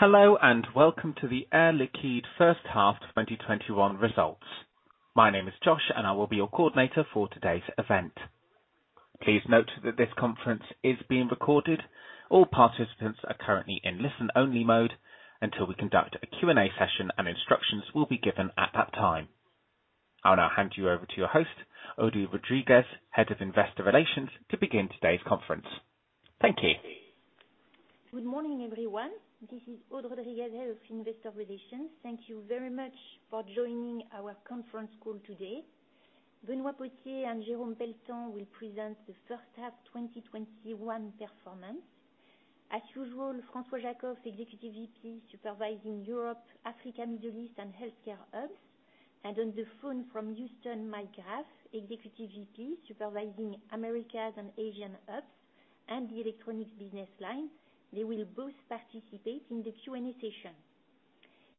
Hello, welcome to the Air Liquide first half 2021 results. My name is Josh, and I will be your coordinator for today's event. Please note that this conference is being recorded. All participants are currently in listen-only mode until we conduct a Q&A session, and instructions will be given at that time. I'll now hand you over to your host, Aude Rodriguez, Head of Investor Relations, to begin today's conference. Thank you. Good morning, everyone. This is Aude Rodriguez, Head of Investor Relations. Thank you very much for joining our conference call today. Benoît Potier and Jérôme Pelletan will present the first half 2021 performance. As usual, François Jackow, Executive VP supervising Europe, Africa, Middle East, and Healthcare hubs. On the phone from Houston, Mike Graff, Executive VP supervising Americas and Asian hubs and the electronics business line. They will both participate in the Q&A session.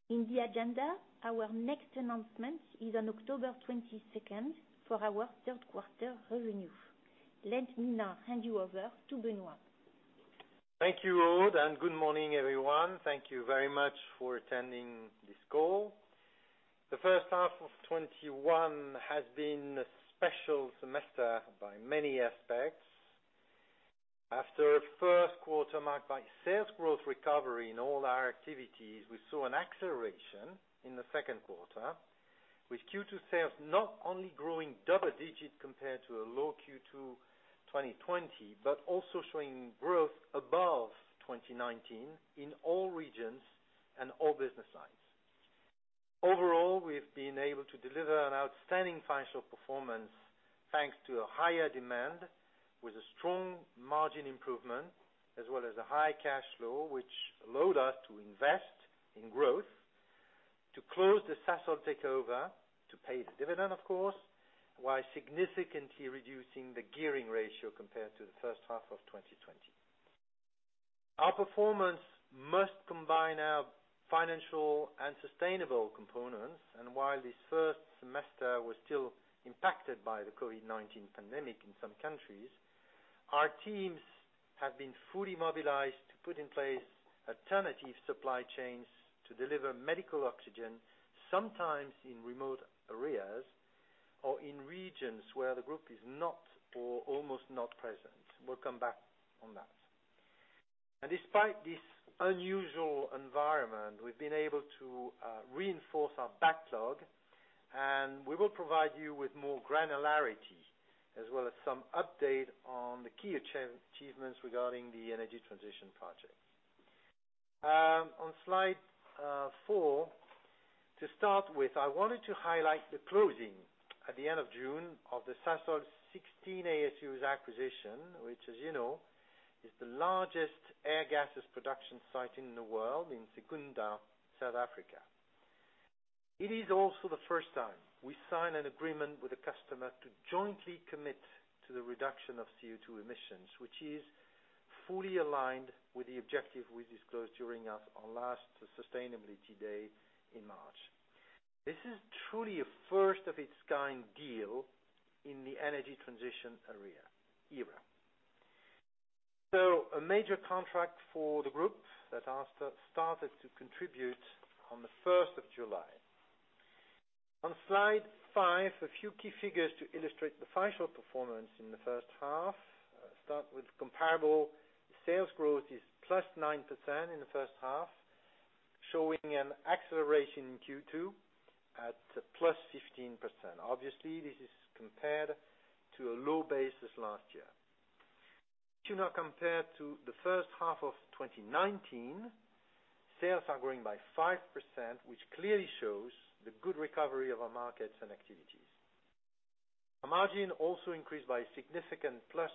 In the agenda, our next announcement is on October 22nd for our third-quarter revenue. Let me now hand you over to Benoît. Thank you, Aude. Good morning, everyone. Thank you very much for attending this call. The first half of 2021 has been a special semester by many aspects. After a first quarter marked by sales growth recovery in all our activities, we saw an acceleration in the second quarter with Q2 sales not only growing double digits compared to a low Q2 2020, but also showing growth above 2019 in all regions and all business lines. Overall, we've been able to deliver an outstanding financial performance thanks to a higher demand with a strong margin improvement, as well as a high cash flow, which allowed us to invest in growth, to close the Sasol takeover, to pay the dividend, of course, while significantly reducing the gearing ratio compared to the first half of 2020. Our performance must combine our financial and sustainable components. While this first semester was still impacted by the COVID-19 pandemic in some countries, our teams have been fully mobilized to put in place alternative supply chains to deliver medical oxygen, sometimes in remote areas or in regions where the group is not or almost not present. We'll come back on that. Despite this unusual environment, we've been able to reinforce our backlog, and we will provide you with more granularity as well as some update on the key achievements regarding the energy transition project. On Slide 4, to start with, I wanted to highlight the closing at the end of June of the Sasol 16 ASUs acquisition, which as you know, is the largest air gases production site in the world in Secunda, South Africa. It is also the first time we sign an agreement with a customer to jointly commit to the reduction of CO2 emissions, which is fully aligned with the objective we disclosed during our last Sustainability Day in March. This is truly a first of its kind deal in the energy transition era. A major contract for the group that started to contribute on the first of July. On Slide 5, a few key figures to illustrate the financial performance in the first half. Start with comparable sales growth is +9% in the first half, showing an acceleration in Q2 at +15%. Obviously, this is compared to a low base this last year. If you now compare to the first half of 2019, sales are growing by 5%, which clearly shows the good recovery of our markets and activities. Our margin also increased by significant +100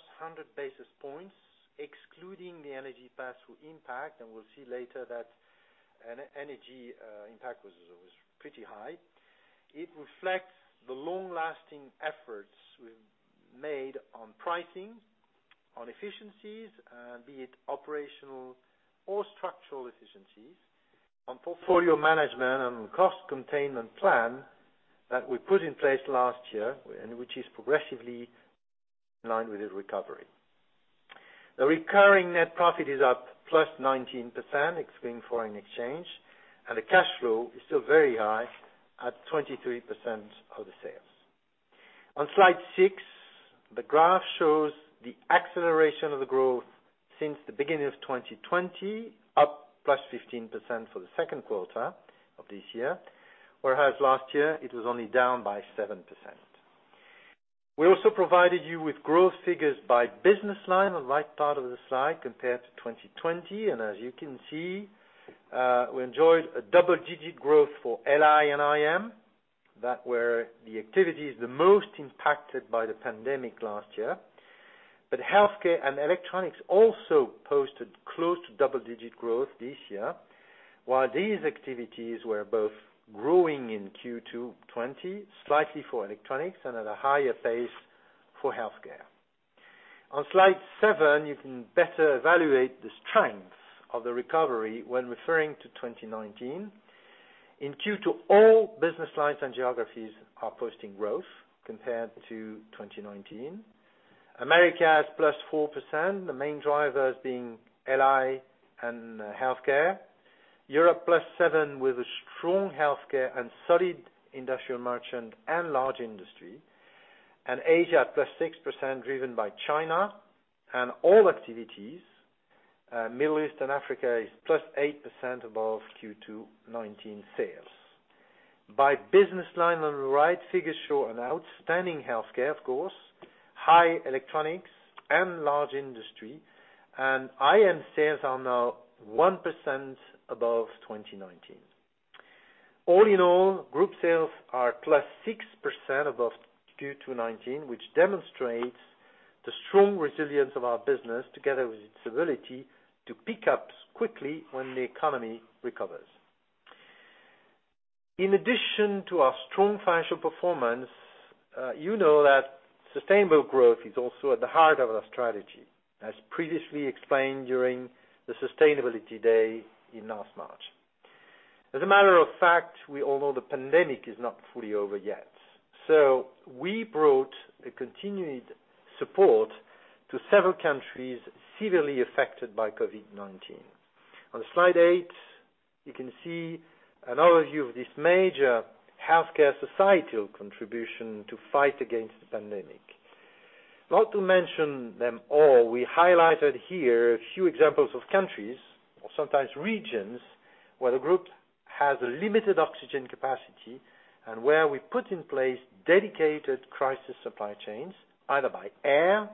basis points, excluding the energy pass-through impact, and we'll see later that energy impact was pretty high. It reflects the long-lasting efforts we've made on pricing, on efficiencies, be it operational or structural efficiencies, on portfolio management and cost containment plan that we put in place last year and which is progressively in line with the recovery. The recurring net profit is up +19%, excluding foreign exchange, and the cash flow is still very high at 23% of the sales. On Slide 6, the graph shows the acceleration of the growth since the beginning of 2020, up +15% for the second quarter of this year. Whereas last year, it was only down by 7%. We also provided you with growth figures by business line on the right part of the slide compared to 2020. As you can see, we enjoyed a double-digit growth for LI and IM. That where the activity is the most impacted by the pandemic last year. Healthcare and electronics also posted close to double-digit growth this year, while these activities were both growing in Q2 2020, slightly for electronics and at a higher pace for healthcare. On Slide 7, you can better evaluate the strength of the recovery when referring to 2019. In Q2, all business lines and geographies are posting growth compared to 2019. Americas +4%, the main drivers being LI and healthcare. Europe +7%, with a strong healthcare and solid industrial merchant and large industry. Asia +6%, driven by China and all activities. Middle East and Africa is +8% above Q2 2019 sales. By business line on the right, figures show an outstanding Healthcare, of course, high Electronics and Large Industry, and IM sales are now 1% above 2019. All in all, group sales are +6% above Q2 2019, which demonstrates the strong resilience of our business together with its ability to pick up quickly when the economy recovers. In addition to our strong financial performance, you know that sustainable growth is also at the heart of our strategy, as previously explained during the Sustainability Day in last March. As a matter of fact, we all know the pandemic is not fully over yet. We brought a continued support to several countries severely affected by COVID-19. On Slide 8, you can see an overview of this major Healthcare societal contribution to fight against the pandemic. Not to mention them all, we highlighted here a few examples of countries, or sometimes regions, where the group has a limited oxygen capacity and where we put in place dedicated crisis supply chains, either by air,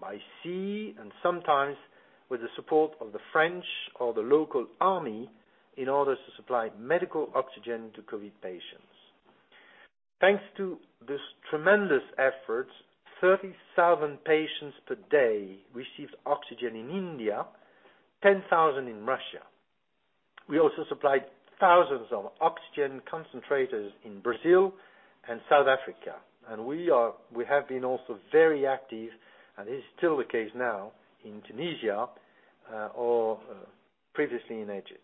by sea, and sometimes with the support of the French or the local army in order to supply medical oxygen to COVID-19 patients. Thanks to this tremendous effort, 30,000 patients per day received oxygen in India, 10,000 in Russia. We also supplied thousands of oxygen concentrators in Brazil and South Africa, and we have been also very active, and it is still the case now in Tunisia, or previously in Egypt.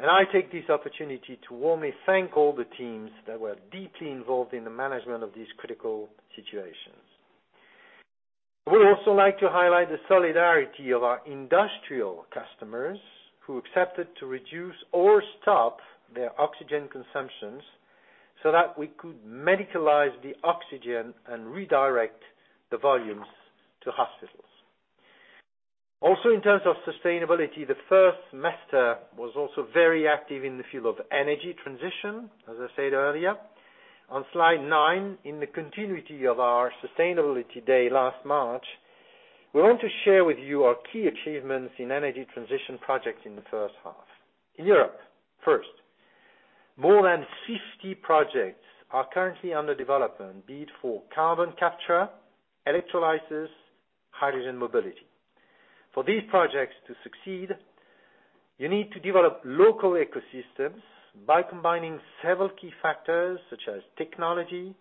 I take this opportunity to warmly thank all the teams that were deeply involved in the management of these critical situations. We also like to highlight the solidarity of our industrial customers who accepted to reduce or stop their oxygen consumptions so that we could medicalize the oxygen and redirect the volumes to hospitals. Also in terms of sustainability, the first semester was also very active in the field of energy transition, as I said earlier. On Slide 9, in the continuity of our Sustainability Day last March, we want to share with you our key achievements in energy transition projects in the first half. In Europe, first, more than 50 projects are currently under development, be it for carbon capture, electrolysis, hydrogen mobility. For these projects to succeed, you need to develop local ecosystems by combining several key factors such as technology,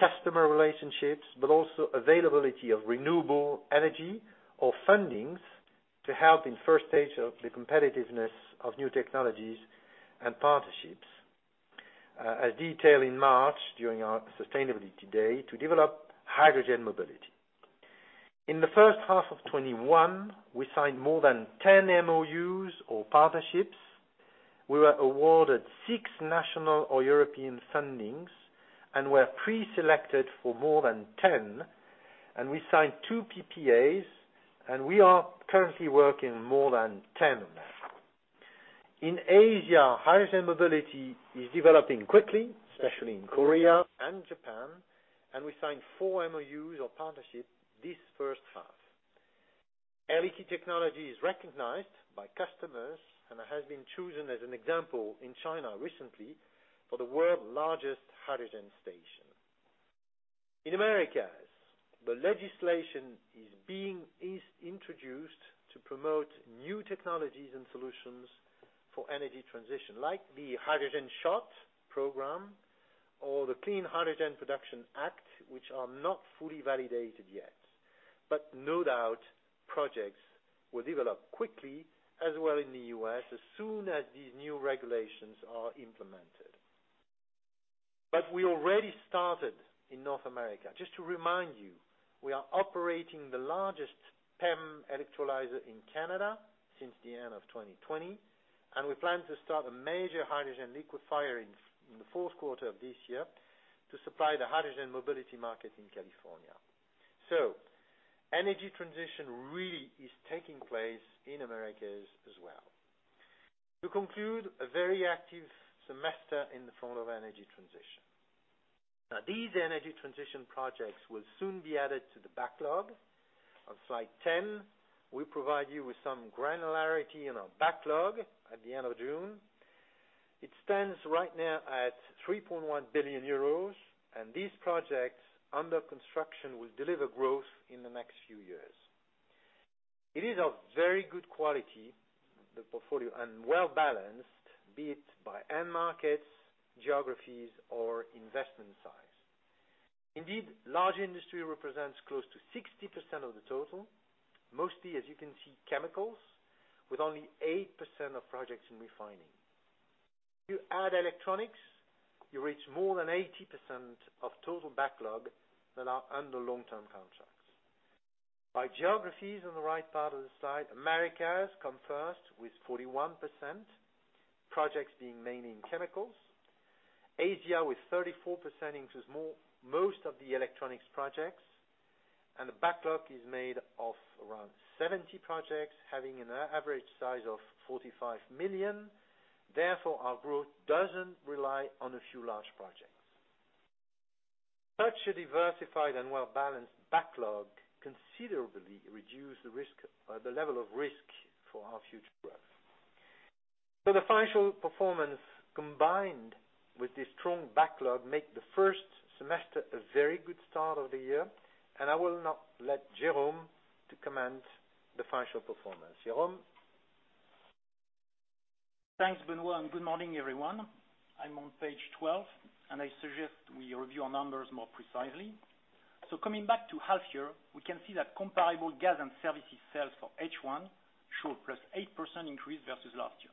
customer relationships, but also availability of renewable energy or fundings to help in first stage of the competitiveness of new technologies and partnerships, as detailed in March during our Sustainability Day to develop hydrogen mobility. In the first half of 2021, we signed more than 10 MOUs or partnerships. We were awarded six national or European fundings and were preselected for more than 10, and we signed two PPAs, and we are currently working more than 10 now. In Asia, hydrogen mobility is developing quickly, especially in Korea and Japan, and we signed four MOUs or partnerships this first half. Air Liquide technology is recognized by customers and has been chosen as an example in China recently for the world largest hydrogen station. In Americas, the legislation is being introduced to promote new technologies and solutions for energy transition, like the Hydrogen Shot program or the Clean Hydrogen Production Act, which are not fully validated yet. No doubt projects will develop quickly as well in the U.S. as soon as these new regulations are implemented. We already started in North America. Just to remind you, we are operating the largest PEM electrolyzer in Canada since the end of 2020, and we plan to start a major hydrogen liquefier in the fourth quarter of this year to supply the hydrogen mobility market in California. Energy transition really is taking place in Americas as well. To conclude, a very active semester in the form of energy transition. These energy transition projects will soon be added to the backlog. On Slide 10, we provide you with some granularity in our backlog at the end of June. It stands right now at 3.1 billion euros, and these projects under construction will deliver growth in the next few years. It is of very good quality, the portfolio, and well-balanced, be it by end markets, geographies, or investment size. Indeed, large industry represents close to 60% of the total, mostly as you can see, chemicals, with only 8% of projects in refining. You add electronics, you reach more than 80% of total backlog that are under long-term contracts. By geographies on the right part of the slide, Americas come first with 41%, projects being mainly in chemicals. Asia with 34% includes most of the electronics projects, and the backlog is made of around 70 projects, having an average size of 45 million. Therefore, our growth doesn't rely on a few large projects. Such a diversified and well-balanced backlog considerably reduce the level of risk for our future growth. The financial performance combined with the strong backlog make the first semester a very good start of the year, and I will now let Jérôme to comment the financial performance. Jérôme? Thanks, Benoît, and good morning, everyone. I'm on Page 12, and I suggest we review our numbers more precisely. Coming back to half year, we can see that comparable gas and services sales for H1 show a +8% increase versus last year.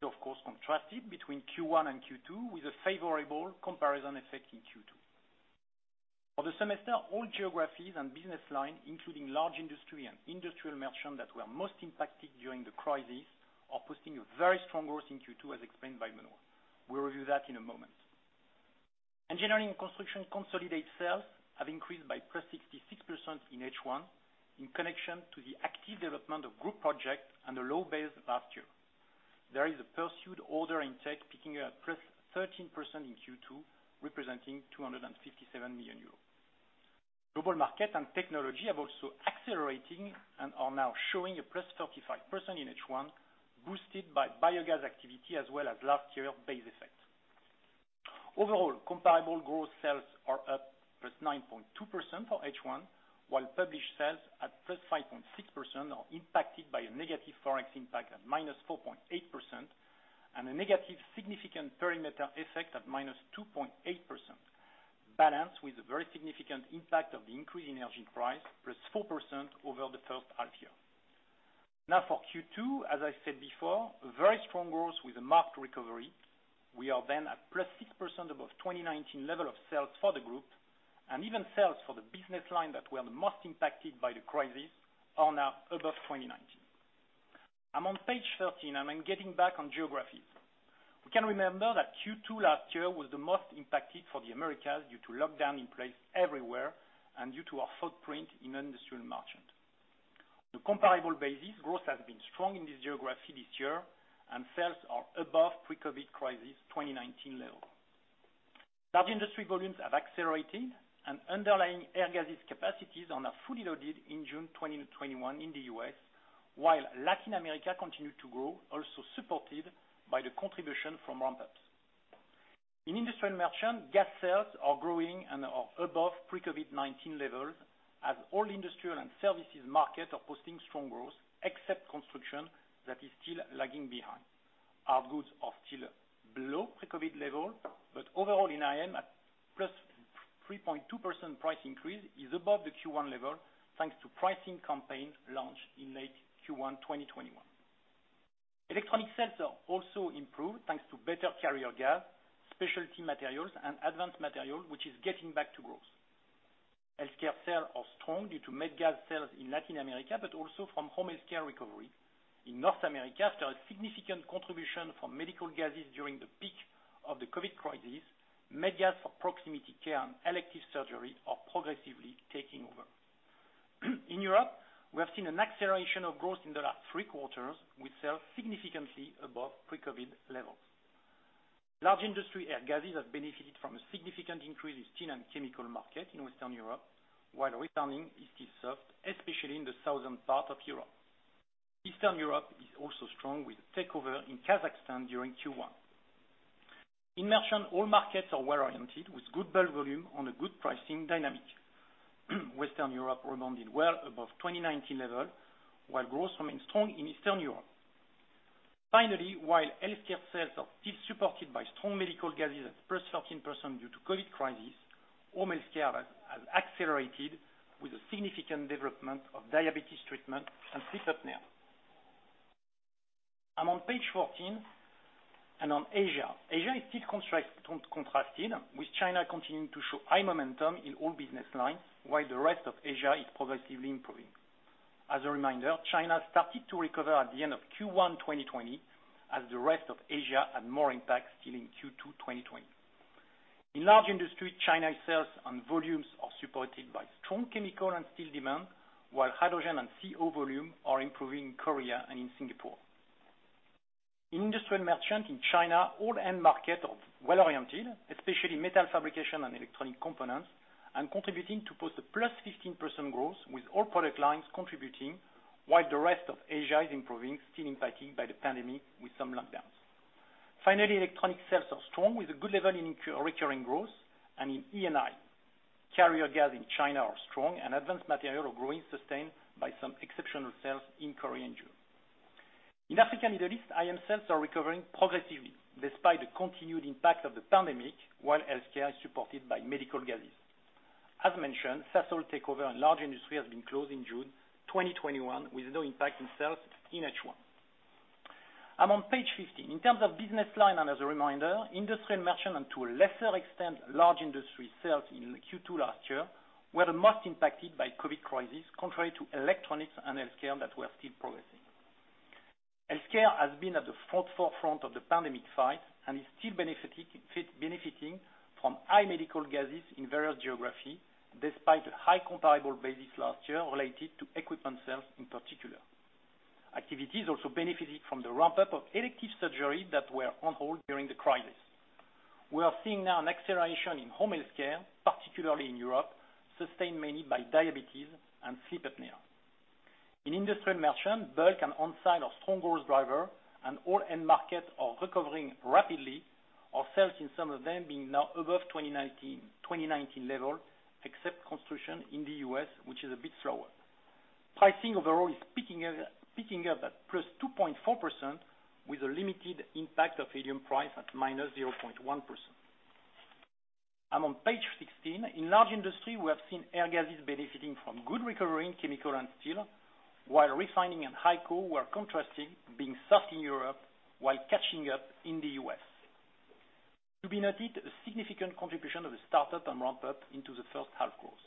It of course contrasted between Q1 and Q2 with a favorable comparison effect in Q2. For the semester, all geographies and business line, including Large Industry and Industrial Merchant that were most impacted during the crisis, are posting a very strong growth in Q2, as explained by Benoît. We'll review that in a moment. Engineering and construction consolidate sales have increased by +66% in H1 in connection to the active development of group project and the low base last year. There is a pursued order intake peaking at +13% in Q2, representing 257 million euros. Global Markets and Technologies are also accelerating and are now showing a +35% in H1, boosted by biogas activity as well as last year base effect. Overall, comparable growth sales are up +9.2% for H1, while published sales at +5.6% are impacted by a negative Forex impact at -4.8%, and a negative significant perimeter effect at -2.8%, balanced with a very significant impact of the increase in energy price, +4% over the first half year. For Q2, as I said before, very strong growth with a marked recovery. We are then at +6% above 2019 level of sales for the group, and even sales for the business line that were the most impacted by the crisis are now above 2019. I'm on Page 13, and I'm getting back on geography. We can remember that Q2 last year was the most impacted for the Americas due to lockdown in place everywhere and due to our footprint in Industrial Merchant. The comparable basis growth has been strong in this geography this year, and sales are above pre-COVID crisis 2019 level. Large industry volumes have accelerated and underlying air gases capacities are now fully loaded in June 2021 in the U.S., while Latin America continued to grow, also supported by the contribution from ramp-ups. In Industrial Merchant, gas sales are growing and are above pre-COVID-19 levels as all industrial and services market are posting strong growth, except construction, that is still lagging behind. Hardgoods are still below pre-COVID level, but overall in IM at +3.2% price increase is above the Q1 level, thanks to pricing campaign launched in late Q1 2021. Electronic sales are also improved thanks to better carrier gas, specialty materials, and advanced material, which is getting back to growth. Healthcare sales are strong due to med gas sales in Latin America, but also from home healthcare recovery. In North America, there are significant contribution from medical gases during the peak of the COVID crisis. Med gas for proximity care and elective surgery are progressively taking over. In Europe, we have seen an acceleration of growth in the last three quarters with sales significantly above pre-COVID levels. Large industry air gases have benefited from a significant increase in steel and chemical market in Western Europe, while refining East is soft, especially in the southern part of Europe. Eastern Europe is also strong with a takeover in Kazakhstan during Q1. In merchant, all markets are well-oriented, with good build volume on a good pricing dynamic. Western Europe remained well above 2019 level, while growth remains strong in Eastern Europe. Finally, while healthcare sales are still supported by strong medical gases at +13% due to COVID crisis, home healthcare has accelerated with a significant development of diabetes treatment and sleep apnea. I'm on Page 14 and on Asia. Asia is still contrasting, with China continuing to show high momentum in all business lines, while the rest of Asia is progressively improving. As a reminder, China started to recover at the end of Q1 2020 as the rest of Asia had more impact still in Q2 2020. In large industry, China sales and volumes are supported by strong chemical and steel demand, while hydrogen and CO volume are improving in Korea and in Singapore. In Industrial Merchant in China, all end markets are well-oriented, especially metal fabrication and electronic components, and contributing to post a +15% growth with all product lines contributing, while the rest of Asia is improving, still impacted by the pandemic with some lockdowns. Finally, electronic sales are strong with a good level in recurring growth and in E&I. Carrier gas in China is strong and advanced materials are growing, sustained by some exceptional sales in Korea in June. In Africa and Middle East, IM sales are recovering progressively despite the continued impact of the pandemic, while healthcare is supported by medical gases. As mentioned, Sasol takeover and Large Industries has been closed in June 2021, with no impact in sales in H1. I'm on Page 15. In terms of business line, as a reminder, Industrial Merchant, and to a lesser extent, large industry sales in Q2 last year, were the most impacted by COVID crisis, contrary to electronics and Healthcare that were still progressing. Healthcare has been at the forefront of the pandemic fight and is still benefiting from high medical gases in various geography, despite the high comparable basis last year related to equipment sales in particular. Activities also benefited from the ramp-up of elective surgery that were on hold during the crisis. We are seeing now an acceleration in Home Healthcare, particularly in Europe, sustained mainly by diabetes and sleep apnea. In Industrial Merchant, bulk and onsite are strong growth driver, all end markets are recovering rapidly, our sales in some of them being now above 2019 level, except construction in the U.S., which is a bit slower. Pricing overall is picking up at +2.4%, with a limited impact of helium price at -0.1%. I'm on Page 16. In large industry, we have seen air gases benefiting from good recovery in chemical and steel, while refining and HyCO were contrasting, being soft in Europe while catching up in the U.S. To be noted, a significant contribution of the startup and ramp-up into the first half growth.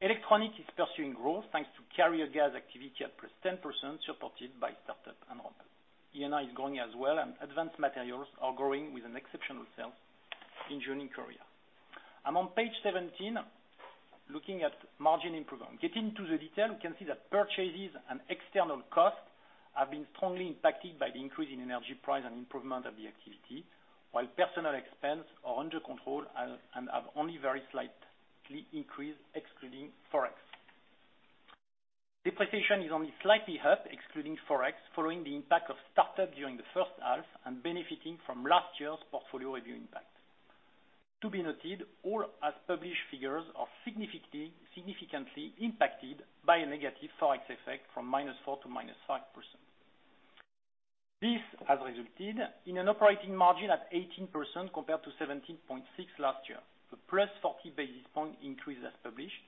Electronics is pursuing growth, thanks to carrier gas activity at +10%, supported by startup and ramp-up. E&I is growing as well, and advanced materials are growing with an exceptional sales in June in Korea. I'm on Page 17, looking at margin improvement. Getting into the detail, we can see that purchases and external costs have been strongly impacted by the increase in energy price and improvement of the activity, while personnel expense are under control and have only very slightly increased, excluding Forex. Depreciation has only slightly up, excluding Forex, following the impact of startup during the first half and benefiting from last year's portfolio review impact. To be noted, all as published figures are significantly impacted by a negative Forex effect from -4% to -5%. This has resulted in an operating margin at 18% compared to 17.6% last year, a +40 basis points increase as published,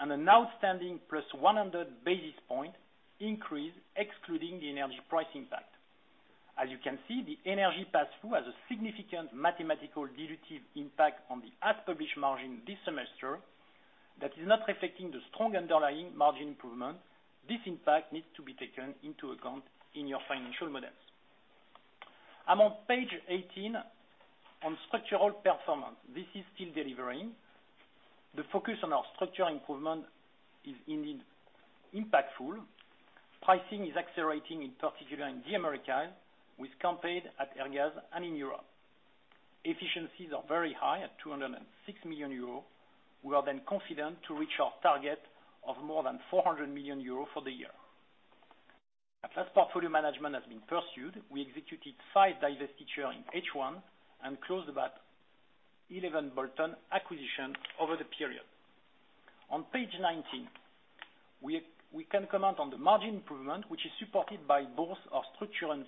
and an outstanding +100 basis points increase excluding the energy price impact. As you can see, the energy pass-through has a significant mathematical dilutive impact on the as published margin this semester that is not reflecting the strong underlying margin improvement. This impact needs to be taken into account in your financial models. I'm on Page 18 on structural performance. This is still delivering. The focus on our structural improvement is indeed impactful. Pricing is accelerating, in particular in the Americas, with campaigns, at Airgas, and in Europe. Efficiencies are very high at 206 million euro. We are confident to reach our target of more than 400 million euro for the year. Portfolio management has been pursued. We executed five divestiture in H1 and closed about 11 bolt-on acquisition over the period. On Page 19, we can comment on the margin improvement, which is supported by both our structural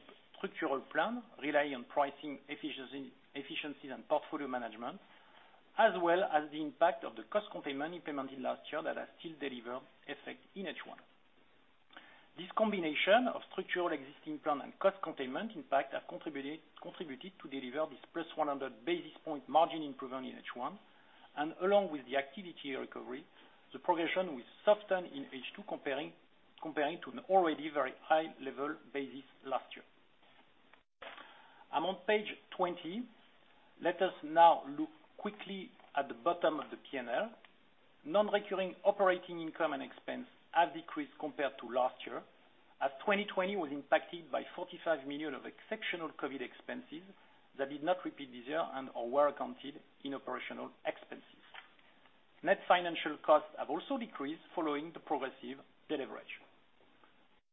plan, rely on pricing efficiencies and portfolio management, as well as the impact of the cost containment implemented last year that has still delivered effect in H1. This combination of structural existing plan and cost containment impact have contributed to deliver this +100 basis point margin improvement in H1. Along with the activity recovery, the progression will sustain in H2 comparing to an already very high level basis last year. I'm on Page 20. Let us now look quickly at the bottom of the P&L. Non-recurring operating income and expense have decreased compared to last year, as 2020 was impacted by 45 million of exceptional COVID expenses that did not repeat this year and/or were accounted in operational expenses. Net financial costs have also decreased following the progressive deleverage.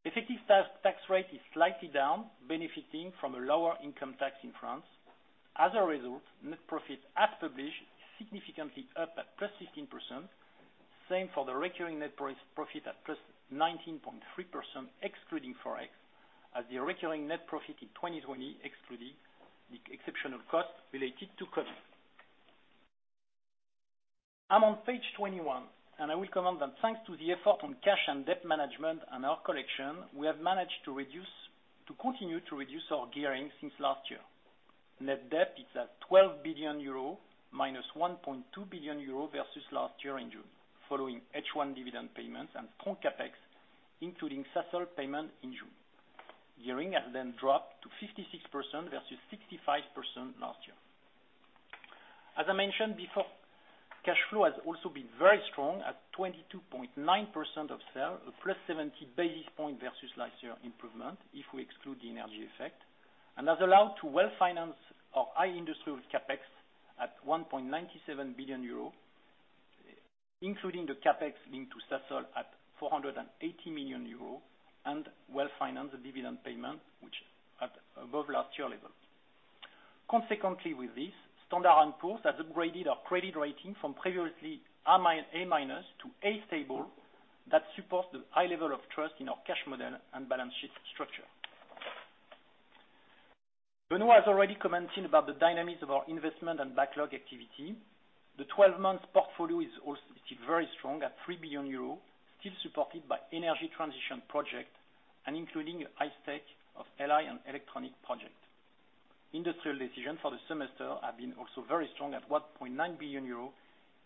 Effective tax rate is slightly down, benefiting from a lower income tax in France. As a result, net profit as published is significantly up at +16%. Same for the recurring net profit at +19.3%, excluding Forex, as the recurring net profit in 2020 excluding the exceptional cost related to COVID. I'm on page 21, and I will comment that thanks to the effort on cash and debt management and our collection, we have managed to continue to reduce our gearing since last year. Net debt is at EUR 12 billion, -EUR 1.2 billion versus last year in June, following H1 dividend payments and strong CapEx, including Sasol payment in June. Gearing has dropped to 56% versus 65% last year. As I mentioned before, cash flow has also been very strong at 22.9% of sale, a +70 basis point versus last year improvement if we exclude the energy effect, and has allowed to well finance our high industrial CapEx at 1.97 billion euro, including the CapEx linked to Sasol at 480 million euro and well finance the dividend payment, which at above last year level. Consequently, with this, Standard & Poor's has upgraded our credit rating from previously A- to A stable. That supports the high level of trust in our cash model and balance sheet structure. Benoît has already commented about the dynamics of our investment and backlog activity. The 12 months portfolio is still very strong at 3 billion euros, still supported by energy transition project and including high tech of LI and electronic project. Industrial decisions for the semester have been also very strong at 1.9 billion euro,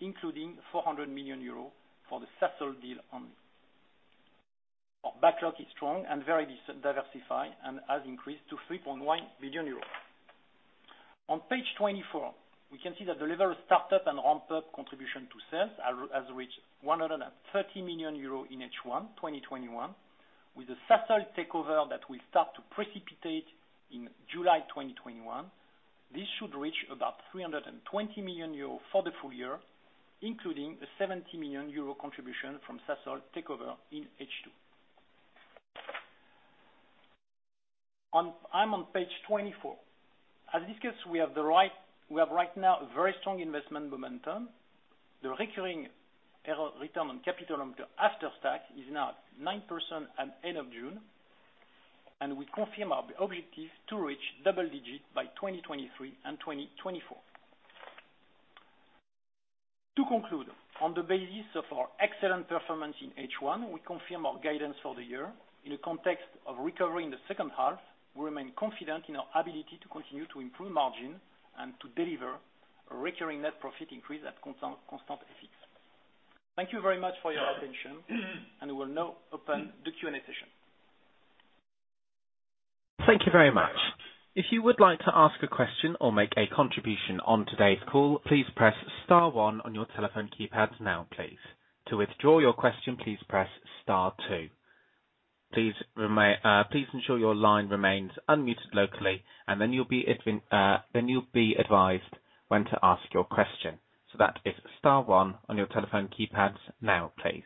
including 400 million euro for the Sasol deal only. Our backlog is strong and very diversified and has increased to 3.1 billion euros. On Page 24, we can see that the level of startup and ramp-up contribution to sales has reached 130 million euros in H1 2021. With the Sasol takeover that will start to precipitate in July 2021, this should reach about 320 million euros for the full year, including a 70 million euro contribution from Sasol takeover in H2. I'm on Page 24. As discussed, we have right now a very strong investment momentum. The recurring return on capital after tax is now at 9% at end of June, and we confirm our objective to reach double digit by 2023 and 2024. To conclude, on the basis of our excellent performance in H1, we confirm our guidance for the year in the context of recovery in the second half. We remain confident in our ability to continue to improve margin and to deliver a recurring net profit increase at constant FX. Thank you very much for your attention. We will now open the Q&A session. Thank you very much. If you would like to ask a question or make a contribution on today's call, please press star one on your telephone keypads now, please. To withdraw your question, please press star two. Please ensure your line remains unmuted locally, then you'll be advised when to ask your question. That is star one on your telephone keypads now, please.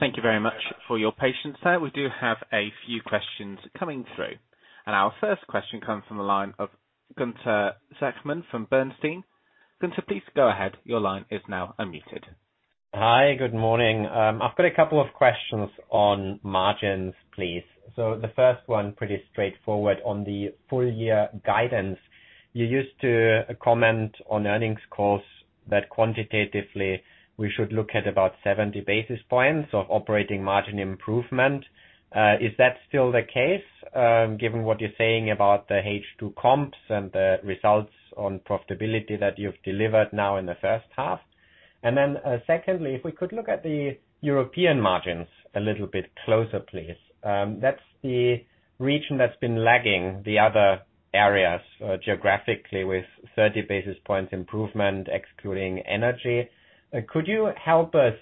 Thank you very much for your patience there. We do have a few questions coming through. Our first question comes from the line of Gunther Zechmann from Bernstein. Gunther, please go ahead. Your line is now unmuted. Hi. Good morning. I've got a couple of questions on margins, please. The first one, pretty straightforward on the full year guidance. You used to comment on earnings calls that quantitatively we should look at about 70 basis points of operating margin improvement. Is that still the case, given what you're saying about the H2 comps and the results on profitability that you've delivered now in the first half? Secondly, if we could look at the European margins a little bit closer, please. That's the region that's been lagging the other areas geographically with 30 basis points improvement, excluding energy. Could you help us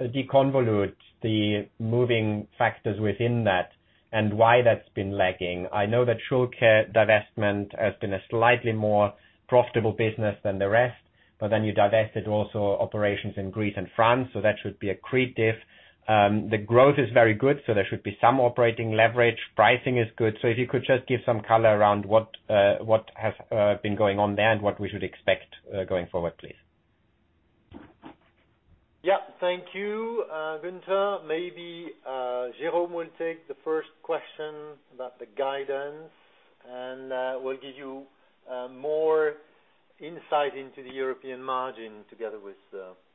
deconvolute the moving factors within that and why that's been lagging? I know that Schülke divestment has been a slightly more profitable business than the rest, but then you divested also operations in Greece and France, so that should be accretive. The growth is very good, so there should be some operating leverage. Pricing is good. If you could just give some color around what has been going on there and what we should expect going forward, please. Yeah. Thank you, Gunther. Maybe Jérôme will take the first question about the guidance, and will give you more insight into the European margin together with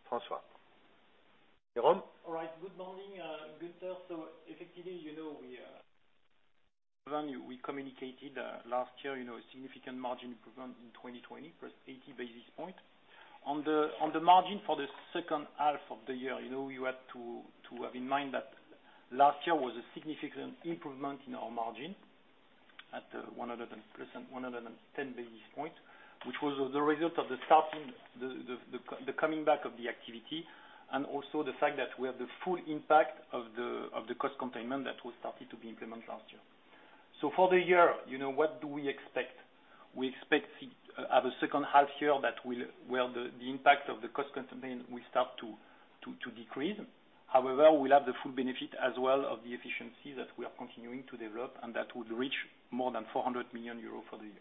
François. Jérôme? All right. Good morning, Gunther. Effectively, we communicated last year a significant margin improvement in 2020, +80 basis points. On the margin for the second half of the year, you have to have in mind that last year was a significant improvement in our margin at 110 basis points, which was the result of the coming back of the activity and also the fact that we have the full impact of the cost containment that was started to be implemented last year. For the year, what do we expect? We expect at the second half year that the impact of the cost containment will start to decrease. We'll have the full benefit as well of the efficiency that we are continuing to develop, and that would reach more than 400 million euros for the year.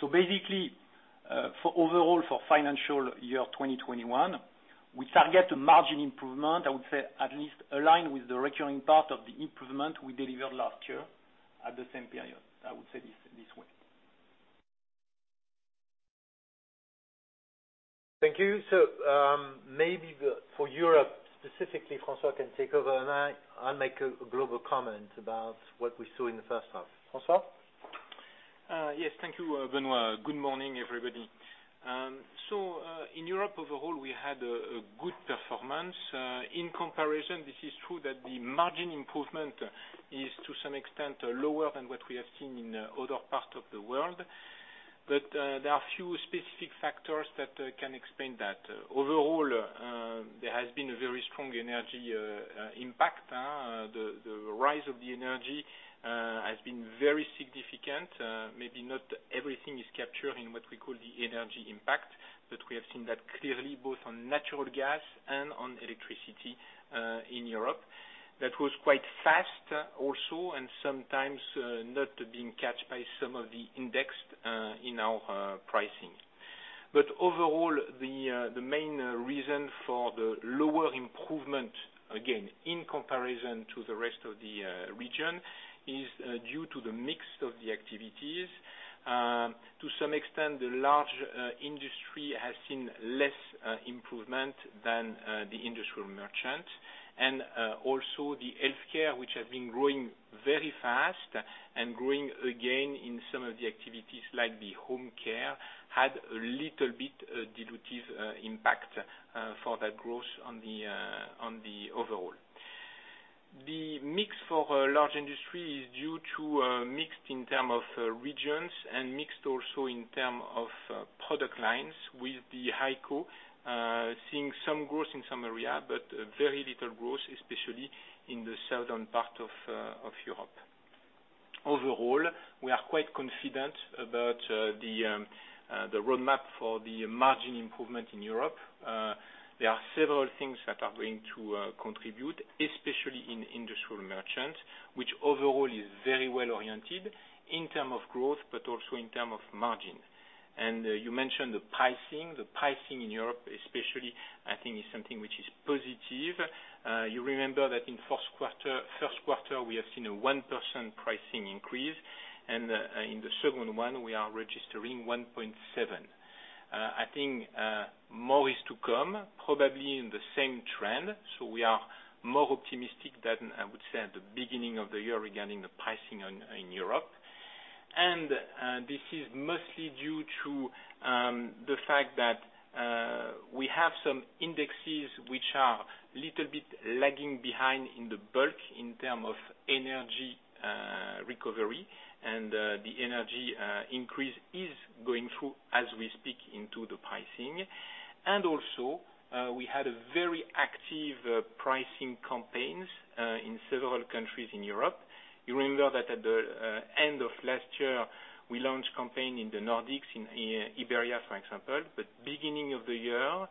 Basically, overall for financial year 2021, we target a margin improvement, I would say at least align with the recurring part of the improvement we delivered last year at the same period. I would say this way. Thank you. Maybe for Europe specifically, François Jackow can take over and I'll make a global comment about what we saw in the first half. François? Yes. Thank you, Benoît. Good morning, everybody. In Europe overall, we had a good performance. In comparison, this is true that the margin improvement is to some extent lower than what we have seen in other parts of the world. There are few specific factors that can explain that. Overall, there has been a very strong energy impact. The rise of the energy has been very significant. Maybe not everything is captured in what we call the energy impact, but we have seen that clearly both on natural gas and on electricity in Europe. That was quite fast also and sometimes not being caught by some of the indexed in our pricing. Overall, the main reason for the lower improvement, again, in comparison to the rest of the region, is due to the mix of the activities. To some extent, the large industry has seen less improvement than the industrial merchant. Also the healthcare, which has been growing very fast and growing again in some of the activities like the home care, had a little bit dilutive impact for that growth on the overall. The mix for a large industry is due to a mix in term of regions and mix also in term of product lines with the HyCO seeing some growth in some area, but very little growth, especially in the southern part of Europe. Overall, we are quite confident about the roadmap for the margin improvement in Europe. There are several things that are going to contribute, especially in industrial merchant, which overall is very well-oriented in term of growth but also in term of margin. You mentioned the pricing. The pricing in Europe especially, I think is something which is positive. You remember that in first quarter we have seen a 1% pricing increase and in the second one we are registering 1.7%. I think more is to come probably in the same trend. We are more optimistic than I would say at the beginning of the year regarding the pricing in Europe. This is mostly due to the fact that we have some indexes which are little bit lagging behind in the bulk in term of energy recovery and the energy increase is going through as we speak into the pricing. Also, we had a very active pricing campaigns in several countries in Europe. You remember that at the end of last year we launched campaign in the Nordics, in Iberia for example. Beginning of the year,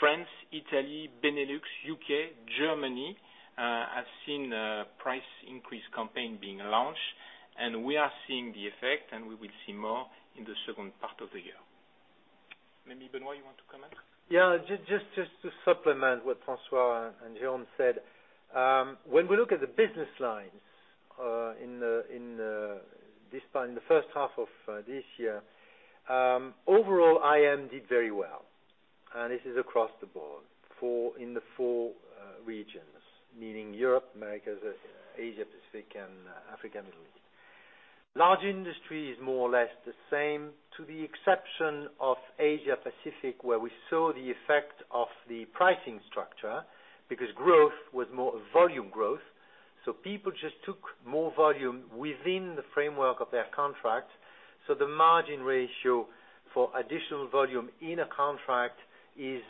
France, Italy, Benelux, U.K., Germany have seen a price increase campaign being launched and we are seeing the effect and we will see more in the second part of the year. Maybe Benoît you want to comment? Yeah, just to supplement what François and Jérôme said. We look at the business lines in the first half of this year, overall IM did very well and this is across the board in the four regions, meaning Europe, Americas, Asia-Pacific and Africa and Middle East. Large Industry is more or less the same to the exception of Asia-Pacific where we saw the effect of the pricing structure because growth was more volume growth. People just took more volume within the framework of their contract. The margin ratio for additional volume in a contract is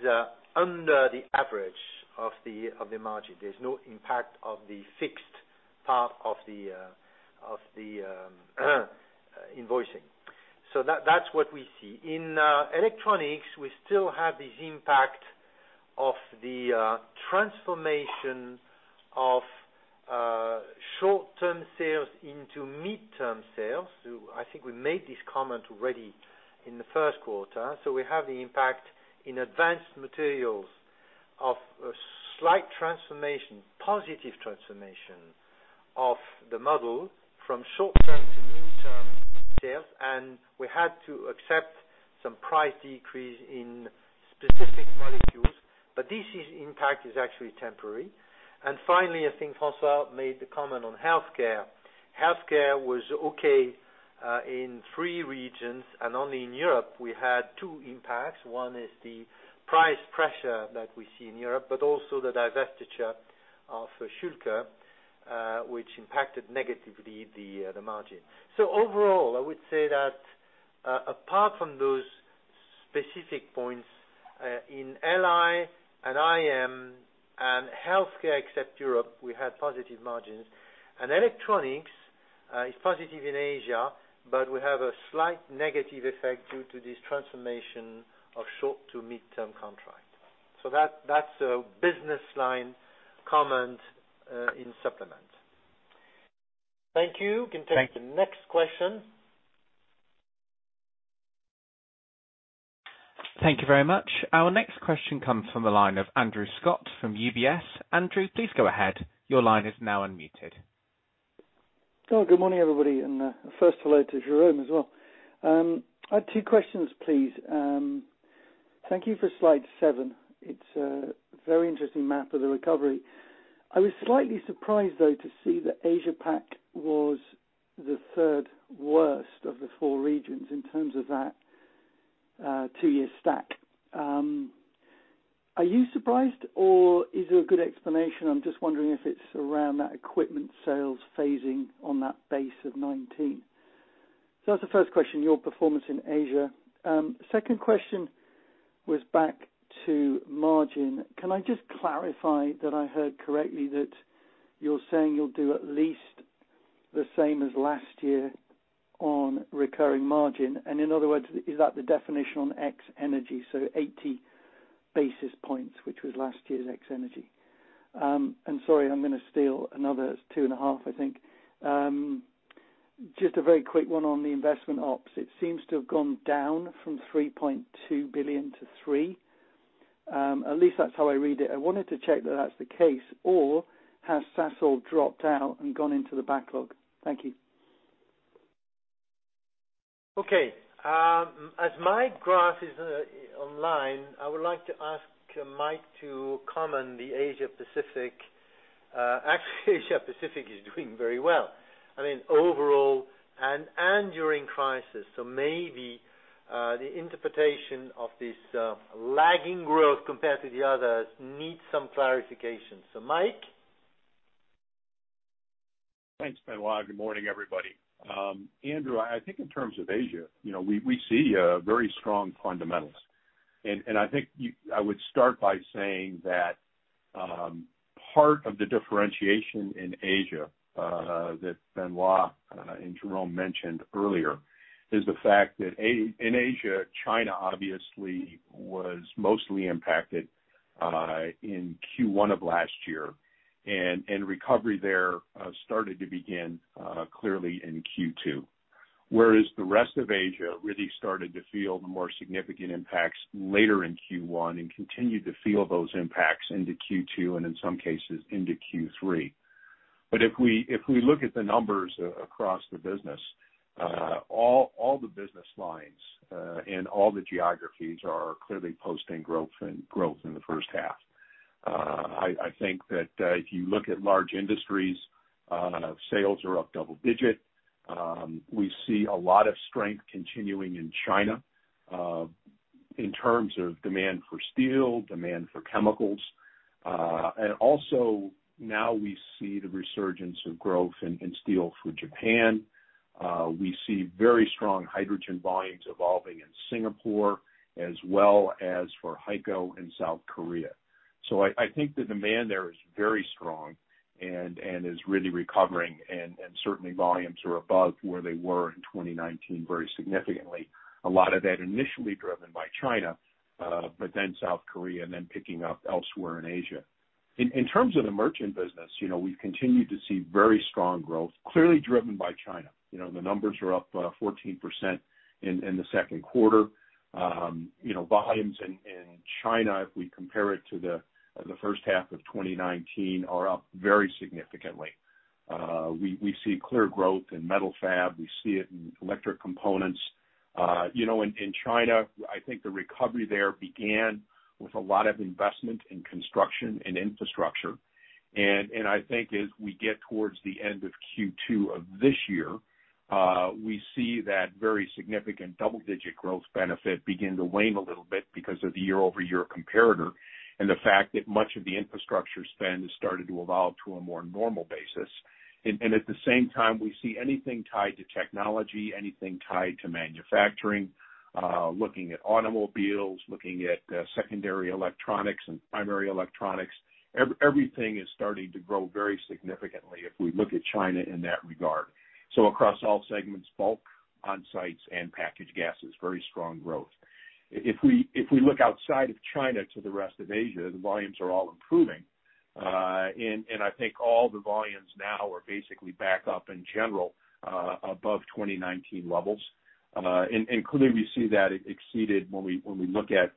under the average of the margin. There's no impact of the fixed part of the invoicing. That's what we see. In electronics, we still have this impact of the transformation of short-term sales into midterm sales. I think we made this comment already in the first quarter. We have the impact in advanced materials of a slight transformation, positive transformation of the model from short-term to midterm sales and we had to accept some price decrease in specific molecules. This impact is actually temporary. Finally, I think François made the comment on healthcare. Healthcare was okay in three regions and only in Europe we had two impacts. One is the price pressure that we see in Europe, but also the divestiture of Schülke which impacted negatively the margin. Overall I would say that apart from those specific points in LI and IM and healthcare except Europe, we had positive margins. Electronics is positive in Asia, but we have a slight negative effect due to this transformation of short to midterm contract. That's a business line comment in supplement. Thank you. We can take the next question. Thank you very much. Our next question comes from the line of Andrew Stott from UBS. Andrew, please go ahead. Your line is now unmuted. Good morning everybody. First hello to Jérôme as well. I have two questions please. Thank you for Slide 7. It's a very interesting map of the recovery. I was slightly surprised though to see that Asia-Pacific was the third worst of the four regions in terms of that two-year stack. Are you surprised or is there a good explanation? I'm just wondering if it's around that equipment sales phasing on that base of 2019. That's the first question, your performance in Asia. Second question was back to margin. Can I just clarify that I heard correctly that you're saying you'll do at least the same as last year on recurring margin. In other words, is that the definition on ex-energy, so 80 basis points, which was last year's ex-energy. Sorry, I'm going to steal another 2.5, I think. Just a very quick one on the investment ops. It seems to have gone down from 3.2 billion to 3. At least that's how I read it. I wanted to check that that's the case, or has Sasol dropped out and gone into the backlog? Thank you. As Mike Graff is online, I would like to ask Mike to comment the Asia-Pacific. Actually, Asia-Pacific is doing very well overall and during crisis. Maybe, the interpretation of this lagging growth compared to the others needs some clarification. Mike? Thanks, Benoît. Good morning, everybody. Andrew, I think in terms of Asia, we see very strong fundamentals. I think I would start by saying that part of the differentiation in Asia that Benoît and Jérôme mentioned earlier is the fact that in Asia, China obviously was mostly impacted in Q1 of last year, and recovery there started to begin clearly in Q2. Whereas the rest of Asia really started to feel the more significant impacts later in Q1 and continued to feel those impacts into Q2 and in some cases into Q3. If we look at the numbers across the business, all the business lines and all the geographies are clearly posting growth in the first half. I think that if you look at large industries, sales are up double-digit. We see a lot of strength continuing in China in terms of demand for steel, demand for chemicals. Also now we see the resurgence of growth in steel through Japan. We see very strong hydrogen volumes evolving in Singapore as well as for HyCO in South Korea. I think the demand there is very strong and is really recovering and certainly volumes are above where they were in 2019 very significantly. A lot of that initially driven by China, but then South Korea and then picking up elsewhere in Asia. In terms of the merchant business, we've continued to see very strong growth, clearly driven by China. The numbers are up 14% in the second quarter. Volumes in China, if we compare it to the first half of 2019, are up very significantly. We see clear growth in metal fab. We see it in electric components. In China, I think the recovery there began with a lot of investment in construction and infrastructure. I think as we get towards the end of Q2 of this year, we see that very significant double-digit growth benefit begin to wane a little bit because of the year-over-year comparator and the fact that much of the infrastructure spend has started to evolve to a more normal basis. At the same time, we see anything tied to technology, anything tied to manufacturing, looking at automobiles, looking at secondary electronics and primary electronics. Everything is starting to grow very significantly if we look at China in that regard. Across all segments, bulk, on-sites, and packaged gases, very strong growth. If we look outside of China to the rest of Asia, the volumes are all improving. I think all the volumes now are basically back up in general above 2019 levels. Clearly, we see that it exceeded when we look at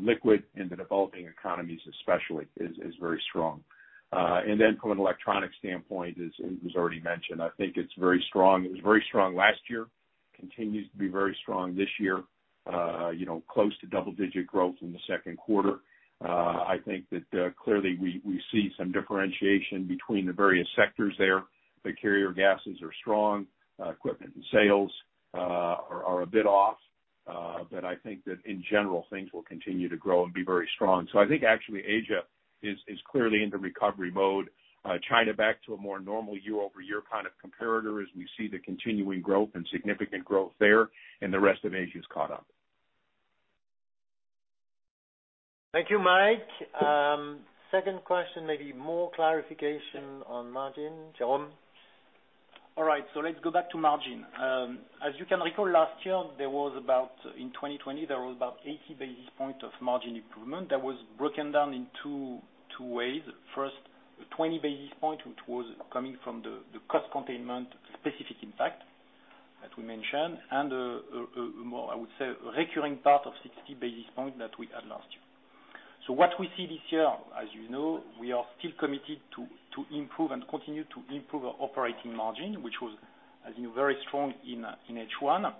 liquid in the developing economies especially, is very strong. From an electronic standpoint, as already mentioned, I think it's very strong. It was very strong last year, continues to be very strong this year. Close to double-digit growth in the second quarter. I think that clearly we see some differentiation between the various sectors there. The carrier gases are strong. Equipment and sales are a bit off. I think that in general, things will continue to grow and be very strong. I think actually Asia is clearly into recovery mode. China back to a more normal year-over-year kind of comparator as we see the continuing growth and significant growth there, and the rest of Asia's caught up. Thank you, Mike. Second question, maybe more clarification on margin. Jérôme? All right, let's go back to margin. As you can recall, last year, in 2020, there was about 80 basis point of margin improvement that was broken down in two ways. First, 20 basis point, which was coming from the cost containment specific impact, as we mentioned, and more, I would say, recurring part of 60 basis point that we had last year. What we see this year, as you know, we are still committed to improve and continue to improve our operating margin, which was, as you know, very strong in H1.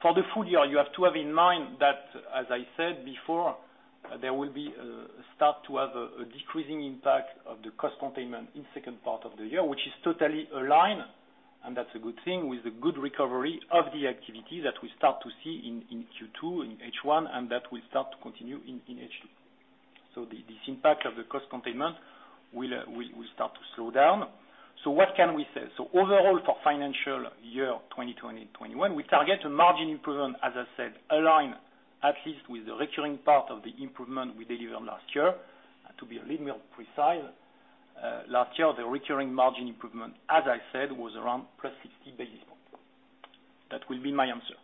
For the full year, you have to have in mind that, as I said before, there will be a start to have a decreasing impact of the cost containment in second part of the year, which is totally aligned, and that's a good thing, with the good recovery of the activity that we start to see in Q2, in H1, and that will start to continue in H2. This impact of the cost containment will start to slow down. What can we say? Overall, for financial year 2020 and 2021, we target a margin improvement, as I said, aligned at least with the recurring part of the improvement we delivered last year. To be a little more precise, last year, the recurring margin improvement, as I said, was around +60 basis points. That will be my answer.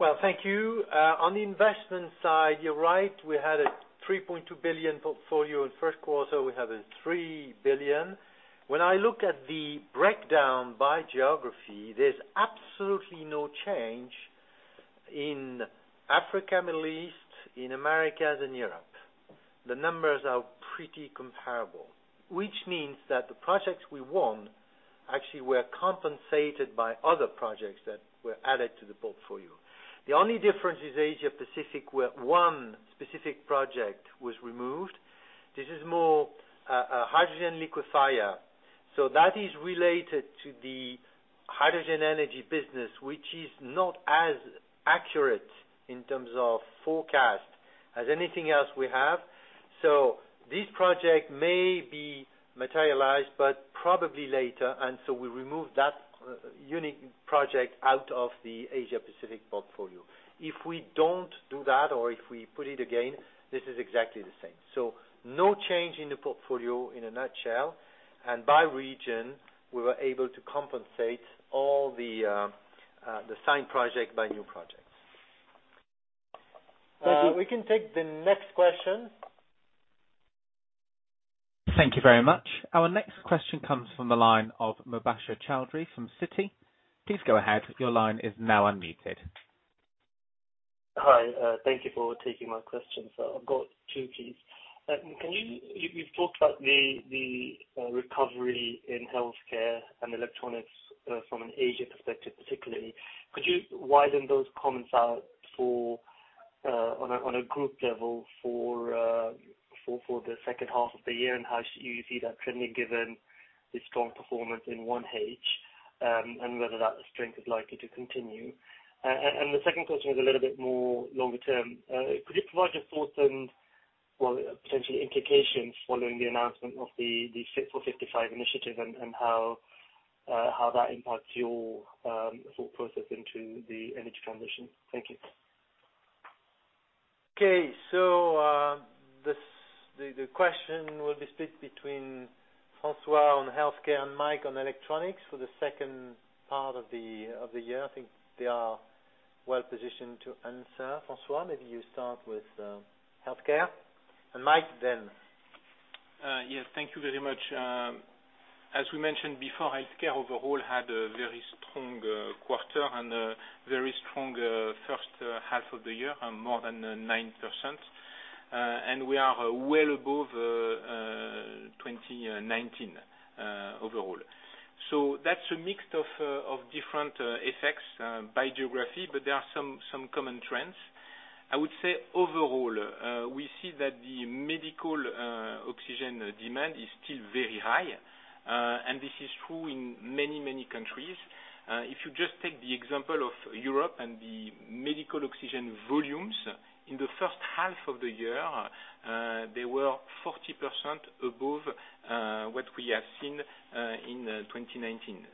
Well, thank you. On the investment side, you're right. We had a 3.2 billion portfolio in the first quarter, we have 3 billion. When I look at the breakdown by geography, there's absolutely no change in Africa, Middle East, in Americas and Europe. The numbers are pretty comparable, which means that the projects we won actually were compensated by other projects that were added to the portfolio. The only difference is Asia-Pacific, where one specific project was removed. This is more a hydrogen liquefier. So that is related to the hydrogen energy business, which is not as accurate in terms of forecast as anything else we have. So this project may be materialized, but probably later, and so we remove that unique project out of the Asia-Pacific portfolio. If we don't do that, or if we put it again, this is exactly the same. No change in the portfolio in a nutshell, and by region, we were able to compensate all the signed project by new projects. Thank you. We can take the next question. Thank you very much. Our next question comes from the line of Mubasher Chaudhry from Citi. Please go ahead. Hi. Thank you for taking my question. I've got two, please. You've talked about the recovery in healthcare and electronics from an Asia perspective, particularly. Could you widen those comments out on a group level for the 2H of the year, and how you see that trending given the strong performance in 1H, and whether that strength is likely to continue? The second question is a little bit more longer-term. Could you provide your thoughts and, well, essentially implications following the announcement of the Fit for 55 initiative and how that impacts your thought process into the energy transition? Thank you. Okay. The question will be split between François on healthcare and Mike on electronics for the second part of the year. I think they are well-positioned to answer. François, maybe you start with healthcare. Mike then. Yes. Thank you very much. As we mentioned before, healthcare overall had a very strong quarter and a very strong first half of the year, more than 9%. We are well above 2019 overall. That's a mix of different effects by geography, but there are some common trends. I would say overall, we see that the medical oxygen demand is still very high. This is true in many, many countries. If you just take the example of Europe and the medical oxygen volumes, in the first half of the year, they were 40% above what we have seen in 2019.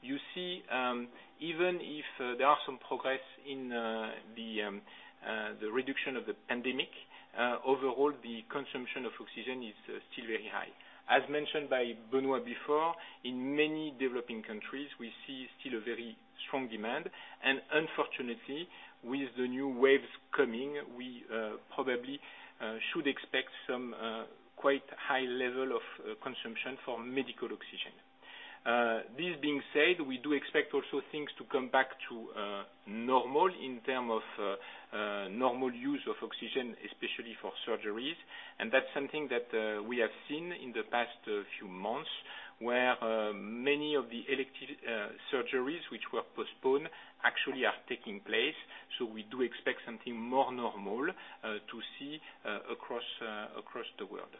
You see, even if there are some progress in the reduction of the pandemic, overall the consumption of oxygen is still very high. As mentioned by Benoît before, in many developing countries, we see still a very strong demand. Unfortunately, with the new waves coming, we probably should expect some quite high level of consumption for medical oxygen. This being said, we do expect also things to come back to normal in terms of normal use of oxygen, especially for surgeries. That's something that we have seen in the past few months, where many of the elective surgeries which were postponed actually are taking place. We do expect something more normal to see across the world.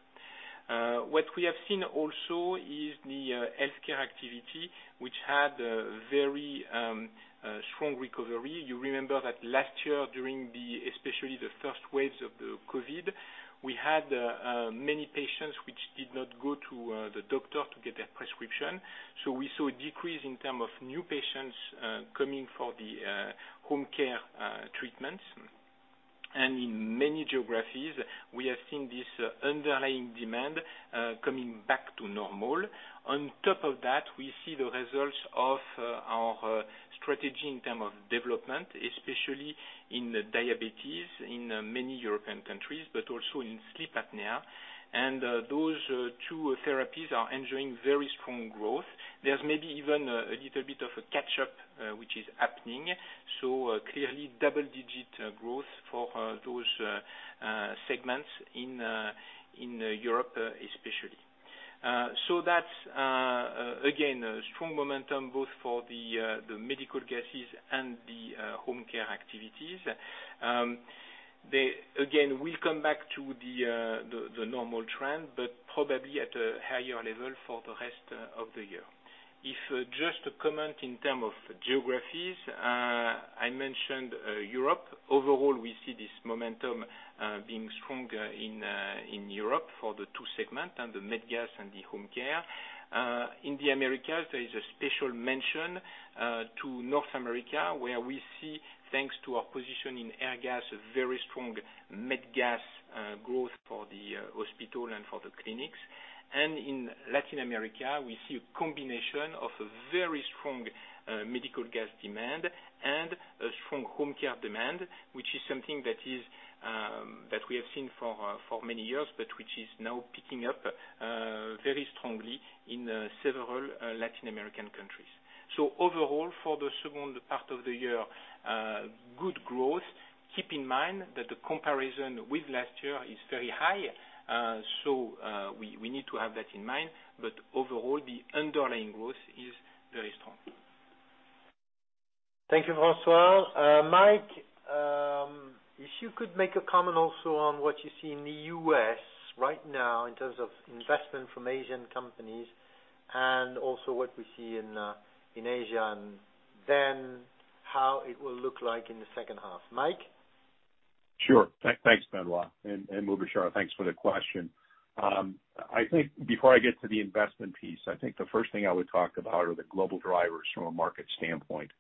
What we have seen also is the healthcare activity, which had a very strong recovery. You remember that last year during especially the first waves of the COVID-19, we had many patients which did not go to the doctor to get their prescription. We saw a decrease in terms of new patients coming for the home care treatments. In many geographies, we have seen this underlying demand coming back to normal. On top of that, we see the results of our strategy in term of development, especially in diabetes in many European countries, but also in sleep apnea. Those two therapies are enjoying very strong growth. There's maybe even a little bit of a catch-up which is happening. Clearly double-digit growth for those segments in Europe especially. That's again strong momentum both for the medical gases and the home care activities. Again, we'll come back to the normal trend, but probably at a higher level for the rest of the year. If just a comment in term of geographies, I mentioned Europe. Overall, we see this momentum being stronger in Europe for the two segments, and the med gas and the home care. In the Americas, there is a special mention to North America, where we see, thanks to our position in Airgas, a very strong med gas growth for the hospital and for the clinics. In Latin America, we see a combination of a very strong medical gas demand and a strong home care demand, which is something that we have seen for many years, but which is now picking up very strongly in several Latin American countries. Overall, for the second part of the year, good growth. Keep in mind that the comparison with last year is very high, we need to have that in mind. Overall, the underlying growth is very strong. Thank you, François. Mike, if you could make a comment also on what you see in the U.S. right now in terms of investment from Asian companies and also what we see in Asia, and then how it will look like in the second half. Mike? Sure. Thanks, Benoît. Mubasher, thanks for the question. I think before I get to the investment piece, I think the first thing I would talk about are the global drivers from a market standpoint.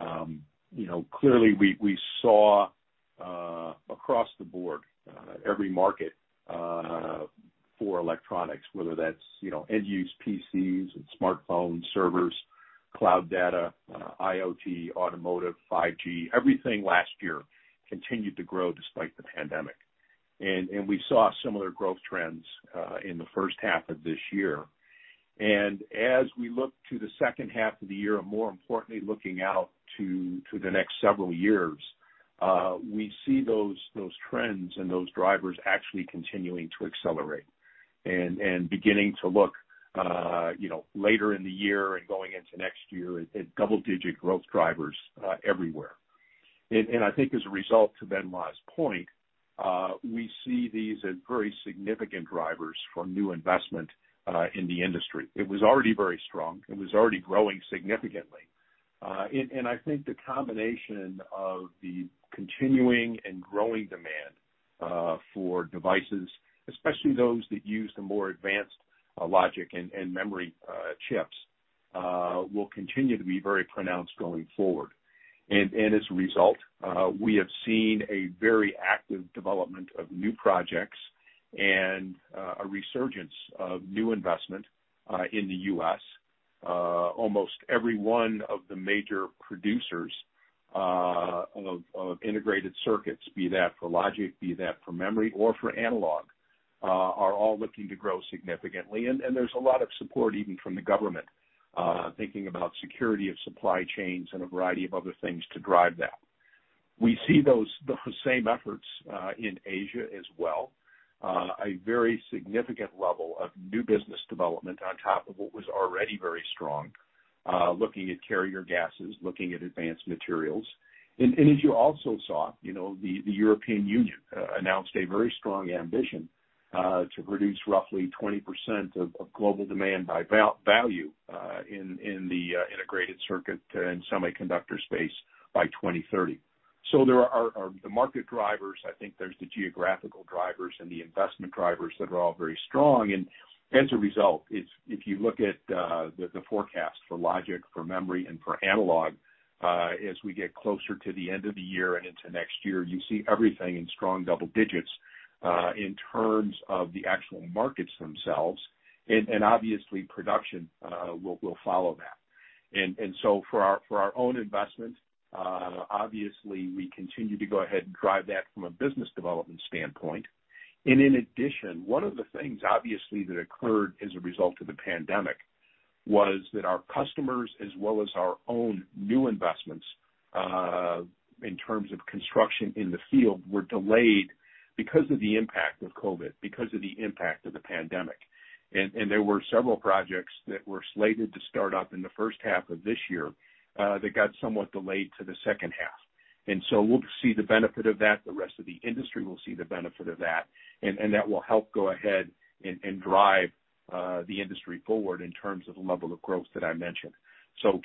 Clearly, we saw across the board, every market for electronics, whether that's end use PCs and smartphones, servers, cloud data, IoT, automotive, 5G, everything last year continued to grow despite the pandemic. We saw similar growth trends in the first half of this year. As we look to the second half of the year, and more importantly, looking out to the next several years, we see those trends and those drivers actually continuing to accelerate and beginning to look later in the year and going into next year at double-digit growth drivers everywhere. I think as a result to Benoît's point, we see these as very significant drivers for new investment in the industry. It was already very strong. It was already growing significantly. I think the combination of the continuing and growing demand for devices, especially those that use the more advanced logic and memory chips, will continue to be very pronounced going forward. As a result, we have seen a very active development of new projects and a resurgence of new investment in the U.S. Almost every one of the major producers of integrated circuits, be that for logic, be that for memory or for analog, are all looking to grow significantly. There's a lot of support even from the government, thinking about security of supply chains and a variety of other things to drive that. We see those same efforts in Asia as well. A very significant level of new business development on top of what was already very strong, looking at carrier gases, looking at advanced materials. As you also saw, the European Union announced a very strong ambition to produce roughly 20% of global demand by value in the integrated circuit and semiconductor space by 2030. There are the market drivers, I think there's the geographical drivers and the investment drivers that are all very strong. As a result, if you look at the forecast for logic, for memory, and for analog, as we get closer to the end of the year and into next year, you see everything in strong double digits, in terms of the actual markets themselves. Obviously, production will follow that. For our own investment, obviously we continue to go ahead and drive that from a business development standpoint. In addition, one of the things, obviously, that occurred as a result of the pandemic was that our customers, as well as our own new investments, in terms of construction in the field, were delayed because of the impact of COVID, because of the impact of the pandemic. There were several projects that were slated to start up in the first half of this year that got somewhat delayed to the second half. We'll see the benefit of that. The rest of the industry will see the benefit of that, and that will help go ahead and drive the industry forward in terms of the level of growth that I mentioned.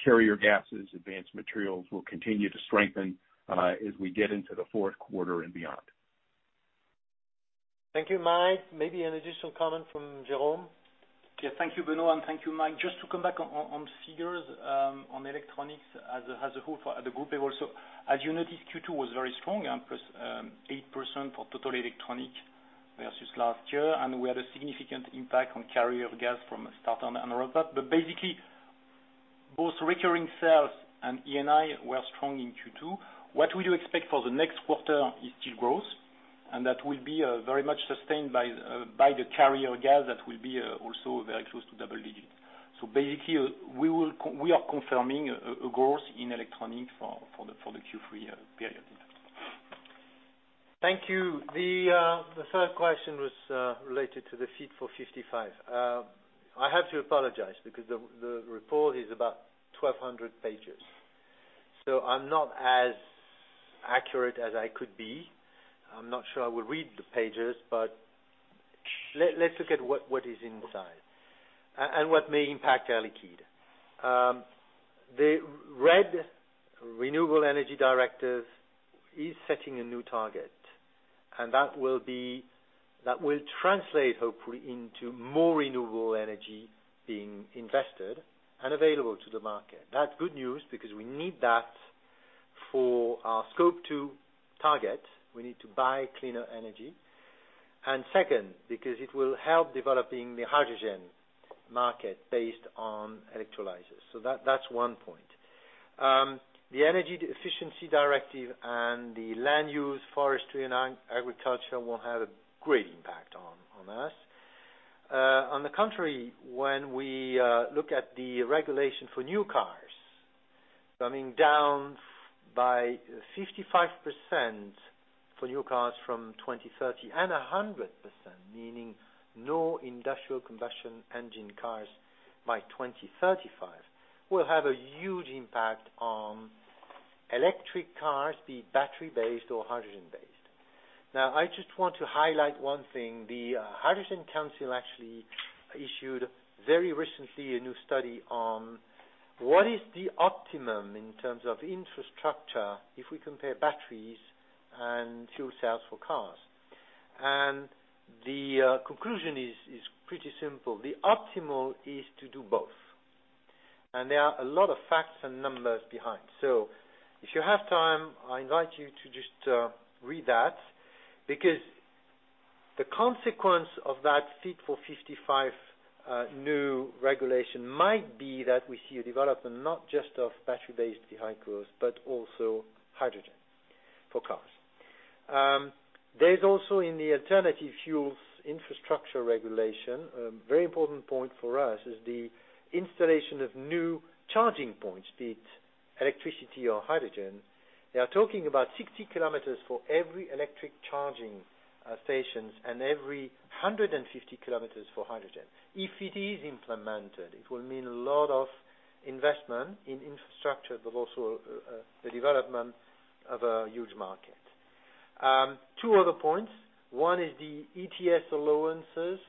Carrier gases, advanced materials will continue to strengthen as we get into the fourth quarter and beyond. Thank you, Mike. Maybe an additional comment from Jérôme. Thank you, Benoît, and thank you, Mike. Just to come back on figures, on electronics as a whole for the group level. As you noticed, Q2 was very strong, and +8% for total electronic versus last year. We had a significant impact on carrier gas from a startup in Europe. Basically, both recurring sales and E&I were strong in Q2. What we expect for the next quarter is still growth, and that will be very much sustained by the carrier gas. That will be also very close to double digits. Basically, we are confirming a growth in electronic for the Q3 period. Thank you. The third question was related to the Fit for 55. I have to apologize because the report is about 1,200 pages, so I'm not as accurate as I could be. I'm not sure I will read the pages, let's look at what is inside and what may impact Air Liquide. The RED, Renewable Energy Directive, is setting a new target. That will translate, hopefully, into more renewable energy being invested and available to the market. That's good news because we need that for our Scope 2 target. We need to buy cleaner energy. Second, because it will help developing the hydrogen market based on electrolyzers. That's one point. The Energy Efficiency Directive and the land use forestry and agriculture will have a great impact on us. On the contrary, when we look at the regulation for new cars coming down by 55% for new cars from 2030 and 100%, meaning no industrial combustion engine cars by 2035, will have a huge impact on electric cars, be it battery-based or hydrogen-based. I just want to highlight one thing. The Hydrogen Council actually issued very recently a new study on what is the optimum in terms of infrastructure if we compare batteries and fuel cells for cars. The conclusion is pretty simple. There are a lot of facts and numbers behind. If you have time, I invite you to just read that, because the consequence of that Fit for 55 new regulation might be that we see a development not just of battery-based vehicles, but also hydrogen for cars. There is also in the Alternative Fuels Infrastructure Regulation, a very important point for us is the installation of new charging points, be it electricity or hydrogen. They are talking about 60 km for every electric charging stations and every 150 km for hydrogen. If it is implemented, it will mean a lot of investment in infrastructure, but also the development of a huge market. Two other points. One is the ETS allowances.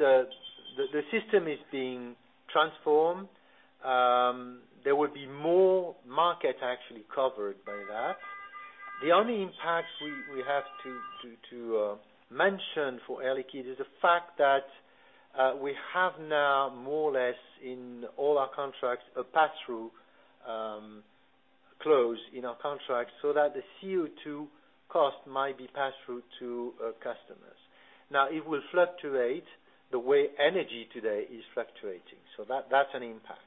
The system is being transformed. There will be more market actually covered by that. The only impact we have to mention for Air Liquide is the fact that we have now more or less in all our contracts, a pass-through clause in our contracts, so that the CO2 cost might be passed through to our customers. It will fluctuate the way energy today is fluctuating. That's an impact.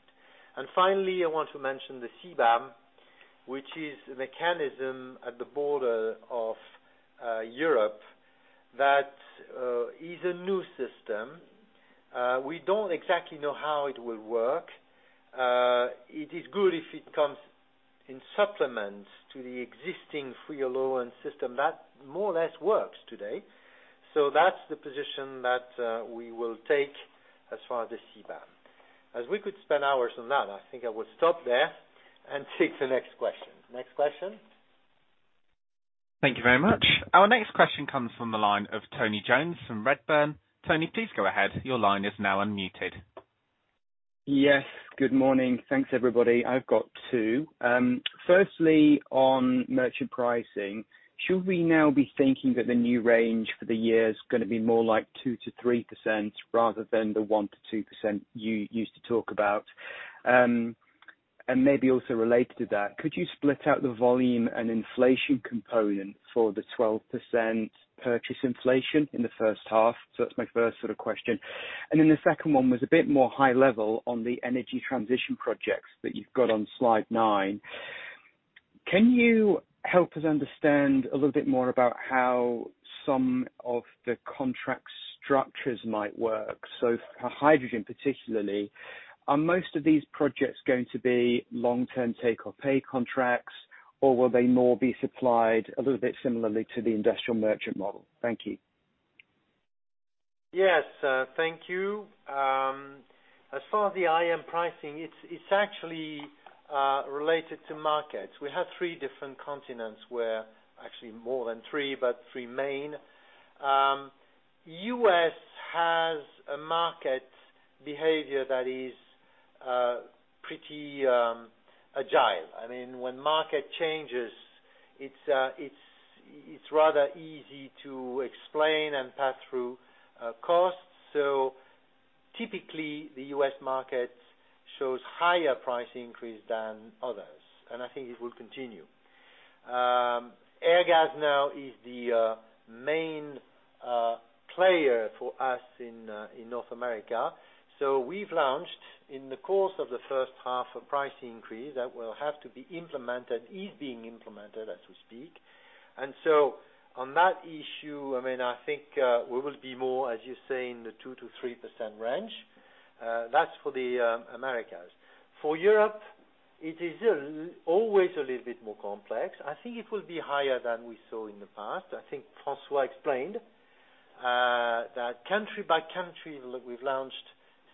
Finally, I want to mention the CBAM, which is a mechanism at the border of Europe that is a new system. We don't exactly know how it will work. It is good if it comes in supplement to the existing free allowance system that more or less works today. That's the position that we will take as far as the CBAM. We could spend hours on that, I think I will stop there and take the next question. Next question. Thank you very much. Our next question comes from the line of Tony Jones from Redburn. Tony, please go ahead. Yes, good morning. Thanks, everybody. I've got two. Firstly, on merchant pricing, should we now be thinking that the new range for the year is going to be more like 2%-3%, rather than the 1%-2% you used to talk about? Maybe also related to that, could you split out the volume and inflation component for the 12% purchase inflation in the first half? That's my first sort of question. The second one was a bit more high level on the energy transition projects that you've got on Slide 9. Can you help us understand a little bit more about how some of the contract structures might work? For hydrogen particularly, are most of these projects going to be long-term take or pay contracts, or will they more be supplied a little bit similarly to the industrial merchant model? Thank you. Yes. Thank you. As far as the IM pricing, it's actually related to markets. We have three different continents where actually more than three, but three main. U.S. has a market behavior that is pretty agile. When market changes, it's rather easy to explain and pass through costs. Typically, the U.S. market shows higher price increase than others, and I think it will continue. Airgas now is the main player for us in North America. We've launched in the course of the first half, a price increase that will have to be implemented, is being implemented as we speak. On that issue, I think, we will be more, as you say, in the 2%-3% range. That's for the Americas. For Europe, it is always a little bit more complex. I think it will be higher than we saw in the past. I think François explained that country by country, we've launched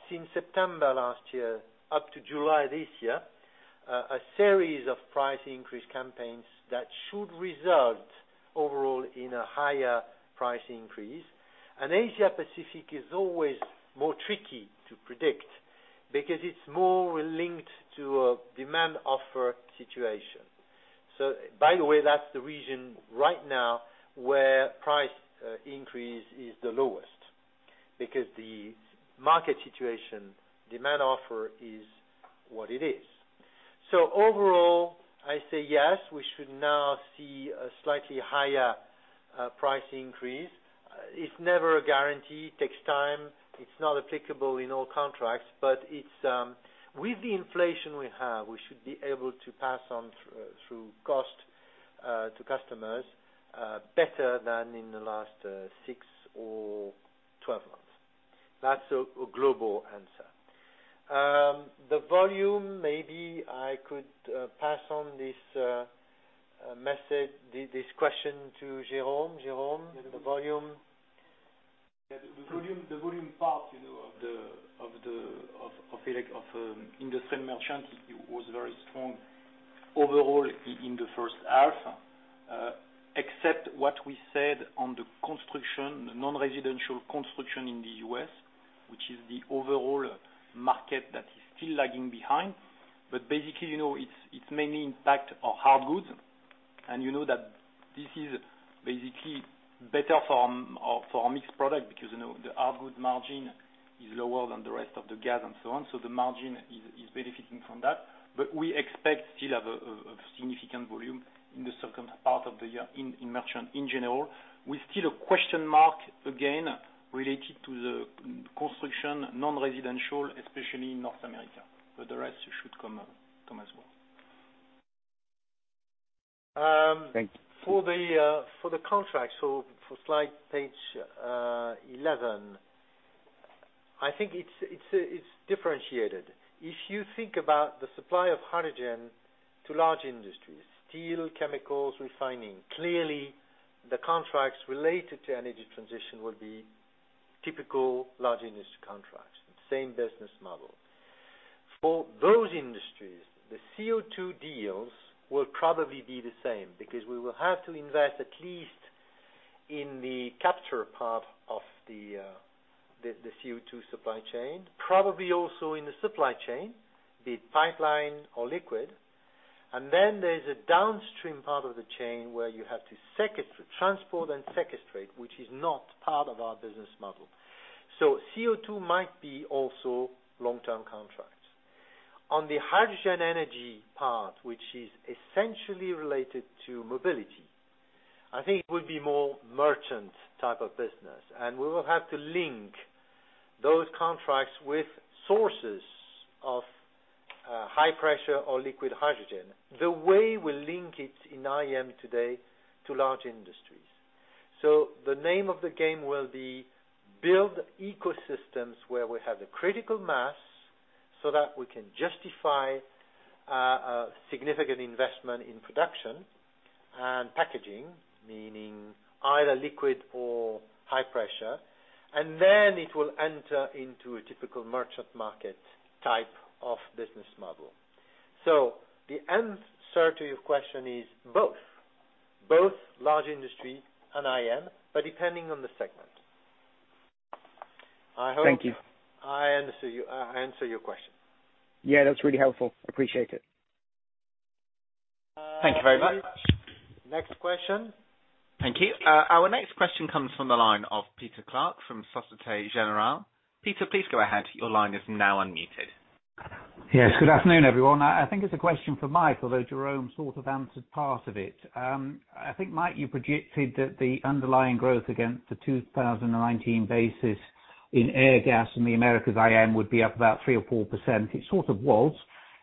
since September last year up to July this year, a series of price increase campaigns that should result overall in a higher price increase. Asia-Pacific is always more tricky to predict because it's more linked to a demand-offer situation. By the way, that's the region right now where price increase is the lowest, because the market situation, demand offer is what it is. Overall, I say yes, we should now see a slightly higher price increase. It's never a guarantee. It takes time. It's not applicable in all contracts, but with the inflation we have, we should be able to pass on through cost to customers better than in the last six or 12 months. That's a global answer. The volume, maybe I could pass on this question to Jérôme. Jérôme, the volume? Yeah, the volume part of industrial merchant was very strong overall in the first half, except what we said on the non-residential construction in the U.S., which is the overall market that is still lagging behind. Basically, it mainly impact our hard goods, and you know that this is basically better for our mixed product because the hard good margin is lower than the rest of the gas and so on. The margin is benefiting from that. We expect still have a significant volume in the second part of the year in merchant in general, with still a question mark again related to the construction, non-residential, especially in North America. The rest should come as well. Thank you. For the contract, for Page 11, I think it's differentiated. If you think about the supply of hydrogen to large industries, steel, chemicals, refining, clearly the contracts related to energy transition will be typical large industry contracts, same business model. For those industries, the CO2 deals will probably be the same, because we will have to invest at least in the capture part of the CO2 supply chain, probably also in the supply chain, be it pipeline or liquid. Then there's a downstream part of the chain where you have to transport and sequestrate, which is not part of our business model. CO2 might be also long-term contracts. On the hydrogen energy part, which is essentially related to mobility, I think it will be more merchant type of business, and we will have to link those contracts with sources of high pressure or liquid hydrogen. The way we link it in IM today to large industries. The name of the game will be build ecosystems where we have the critical mass so that we can justify a significant investment in production and packaging, meaning either liquid or high pressure, and then it will enter into a typical merchant market type of business model. The end answer to your question is both. Both large industry and IM, depending on the segment. Thank you. I hope I answer your question. Yeah, that's really helpful. Appreciate it. Thank you very much. Next question. Thank you. Our next question comes from the line of Peter Clark from Société Générale. Peter, please go ahead. Your line is now unmuted. Yes, good afternoon, everyone. I think it's a question for Mike, although Jérôme sort of answered part of it. I think, Mike, you predicted that the underlying growth against the 2019 basis in Airgas in the Americas IM would be up about 3% or 4%. It sort of was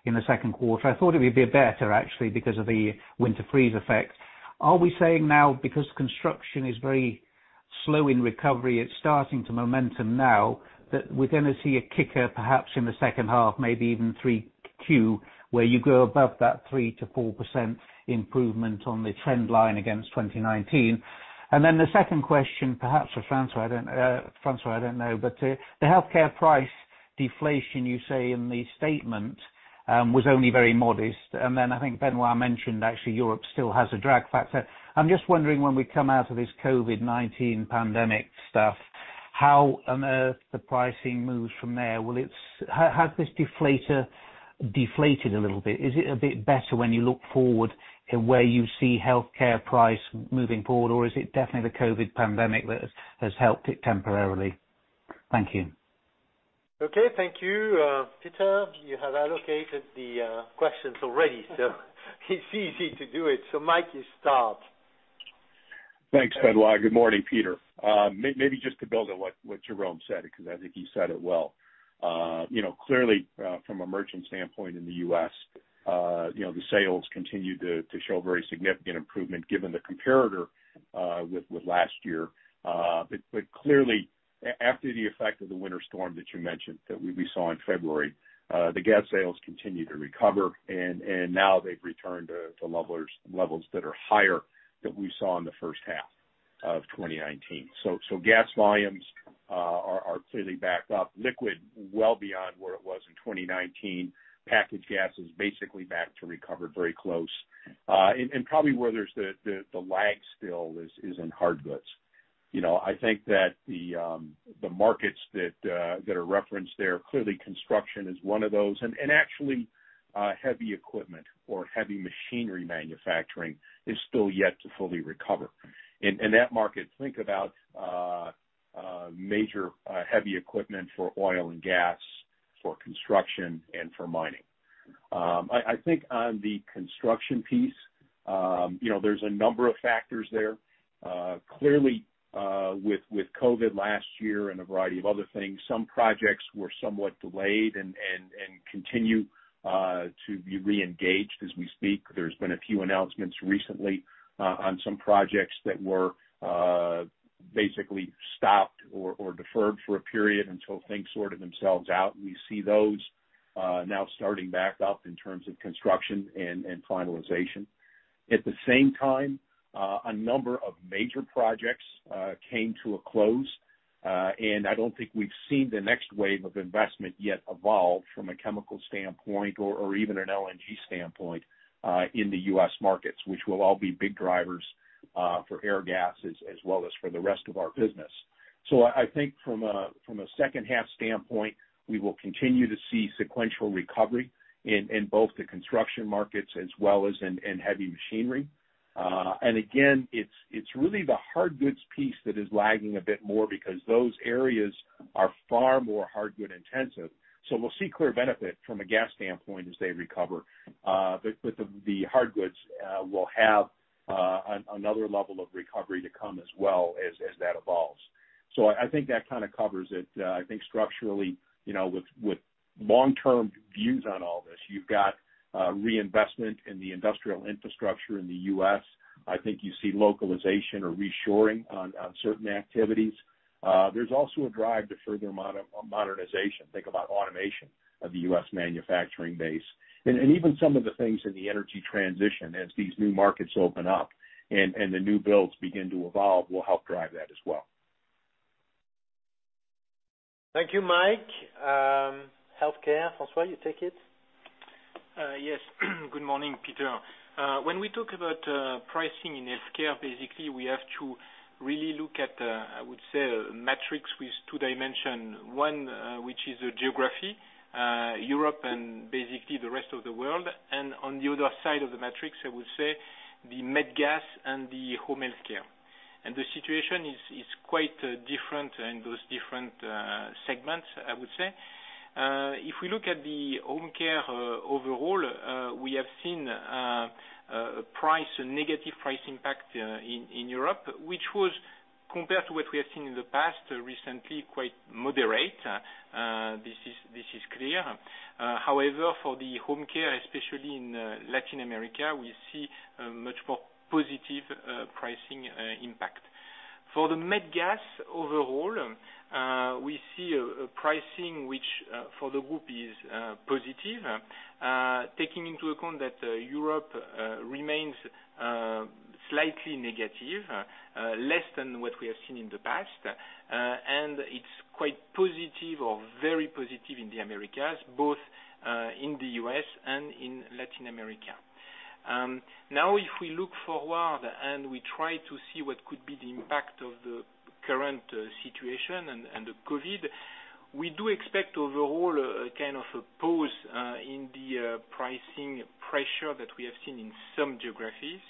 in the second quarter. I thought it would be better, actually, because of the winter freeze effect. Are we saying now because construction is very slow in recovery, it's starting to momentum now that we're going to see a kicker perhaps in the second half, maybe even 3Q, where you go above that 3%-4% improvement on the trend line against 2019? The second question, perhaps for François, I don't know, the healthcare price deflation you say in the statement was only very modest. I think Benoît mentioned actually Europe still has a drag factor. I'm just wondering when we come out of this COVID-19 pandemic stuff, how on earth the pricing moves from there. Has this deflator deflated a little bit? Is it a bit better when you look forward in where you see healthcare price moving forward or is it definitely the COVID pandemic that has helped it temporarily? Thank you. Thank you, Peter. You have allocated the questions already, so it's easy to do it. Mike, you start. Thanks, Benoît. Good morning, Peter. Maybe just to build on what Jérôme said, because I think he said it well. Clearly, from a merchant standpoint in the U.S., the sales continue to show very significant improvement given the comparator with last year. Clearly, after the effect of the winter storm that you mentioned that we saw in February, the gas sales continue to recover and now they've returned to levels that are higher than we saw in the first half of 2019. Gas volumes are clearly back up liquid well beyond where it was in 2019. Packaged gas is basically back to recovered very close. Probably where there's the lag still is in hard goods. I think that the markets that are referenced there, clearly construction is one of those, and actually, heavy equipment or heavy machinery manufacturing is still yet to fully recover. In that market, think about major heavy equipment for oil and gas, for construction, and for mining. I think on the construction piece, there's a number of factors there. Clearly, with COVID last year and a variety of other things, some projects were somewhat delayed and continue to be reengaged as we speak. There's been a few announcements recently on some projects that were basically stopped or deferred for a period until things sorted themselves out, and we see those now starting back up in terms of construction and finalization. At the same time, a number of major projects came to a close, and I don't think we've seen the next wave of investment yet evolve from a chemical standpoint or even an LNG standpoint, in the U.S. markets, which will all be big drivers for Airgas as well as for the rest of our business. I think from a second half standpoint, we will continue to see sequential recovery in both the construction markets as well as in heavy machinery. Again, it's really the hard goods piece that is lagging a bit more because those areas are far more hard good intensive. We'll see clear benefit from a gas standpoint as they recover. The hard goods will have another level of recovery to come as well as that evolves. I think that kind of covers it. I think structurally, with long-term views on all this, you've got reinvestment in the industrial infrastructure in the U.S. I think you see localization or reshoring on certain activities. There's also a drive to further modernization. Think about automation of the U.S. manufacturing base. Even some of the things in the energy transition as these new markets open up and the new builds begin to evolve, will help drive that as well. Thank you, Mike. Healthcare, François, you take it? Good morning, Peter. When we talk about pricing in healthcare, basically we have to really look at, I would say, metrics with two dimension. One, which is the geography, Europe and basically the rest of the world. On the other side of the metrics, I would say the med gas and the home healthcare. The situation is quite different in those different segments, I would say. If we look at the home care overall, we have seen a negative price impact in Europe, which was compared to what we have seen in the past, recently, quite moderate. This is clear. However, for the home care, especially in Latin America, we see a much more positive pricing impact. For the med gas overall, we see a pricing which for the group is positive, taking into account that Europe remains slightly negative, less than what we have seen in the past. It's quite positive or very positive in the Americas, both in the U.S. and in Latin America. If we look forward and we try to see what could be the impact of the current situation and the COVID, we do expect overall, a kind of a pause in the pricing pressure that we have seen in some geographies.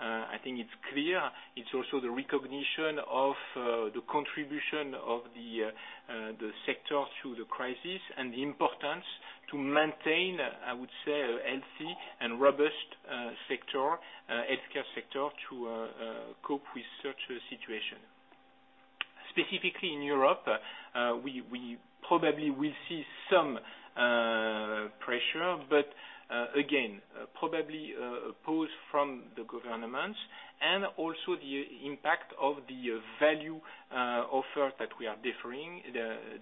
I think it's clear. It's also the recognition of the contribution of the sector through the crisis and the importance to maintain, I would say, a healthy and robust healthcare sector to cope with such a situation. Specifically in Europe, we probably will see some pressure, but again, probably a pause from the governments and also the impact of the value offer that we are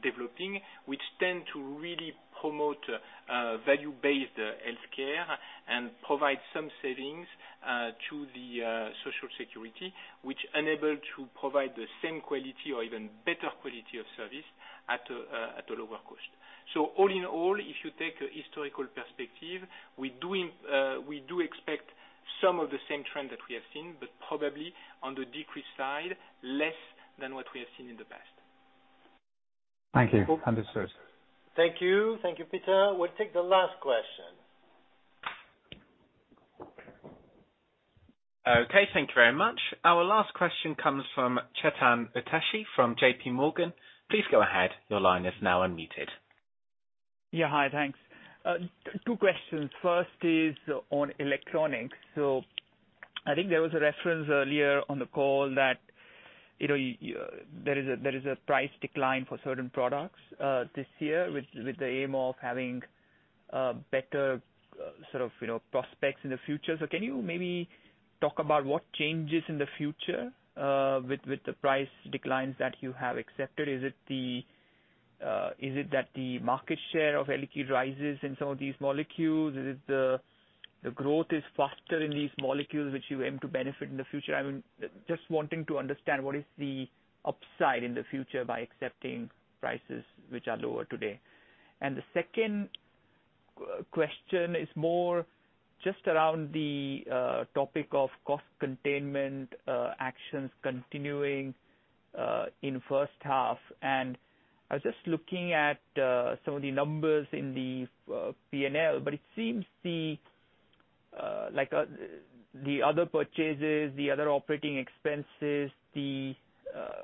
developing, which tend to really promote value-based healthcare and provide some savings to the social security, which enable to provide the same quality or even better quality of service at a lower cost. All in all, if you take a historical perspective, we do expect some of the same trend that we have seen, but probably on the decrease side, less than what we have seen in the past. Thank you. Understood. Thank you, Peter. We'll take the last question. Okay, thank you very much. Our last question comes from Chetan Udeshi from JPMorgan. Please go ahead. Your line is now unmuted. Yeah, hi. Thanks. Two questions. First is on electronics. I think there was a reference earlier on the call that there is a price decline for certain products this year with the aim of having better prospects in the future. Can you maybe talk about what changes in the future, with the price declines that you have accepted? Is it that the market share of Air Liquide rises in some of these molecules? Is it the growth is faster in these molecules, which you aim to benefit in the future? I mean, just wanting to understand what is the upside in the future by accepting prices which are lower today. The second question is more just around the topic of cost containment actions continuing in first half. I was just looking at some of the numbers in the P&L, but it seems the other purchases, the other operating expenses,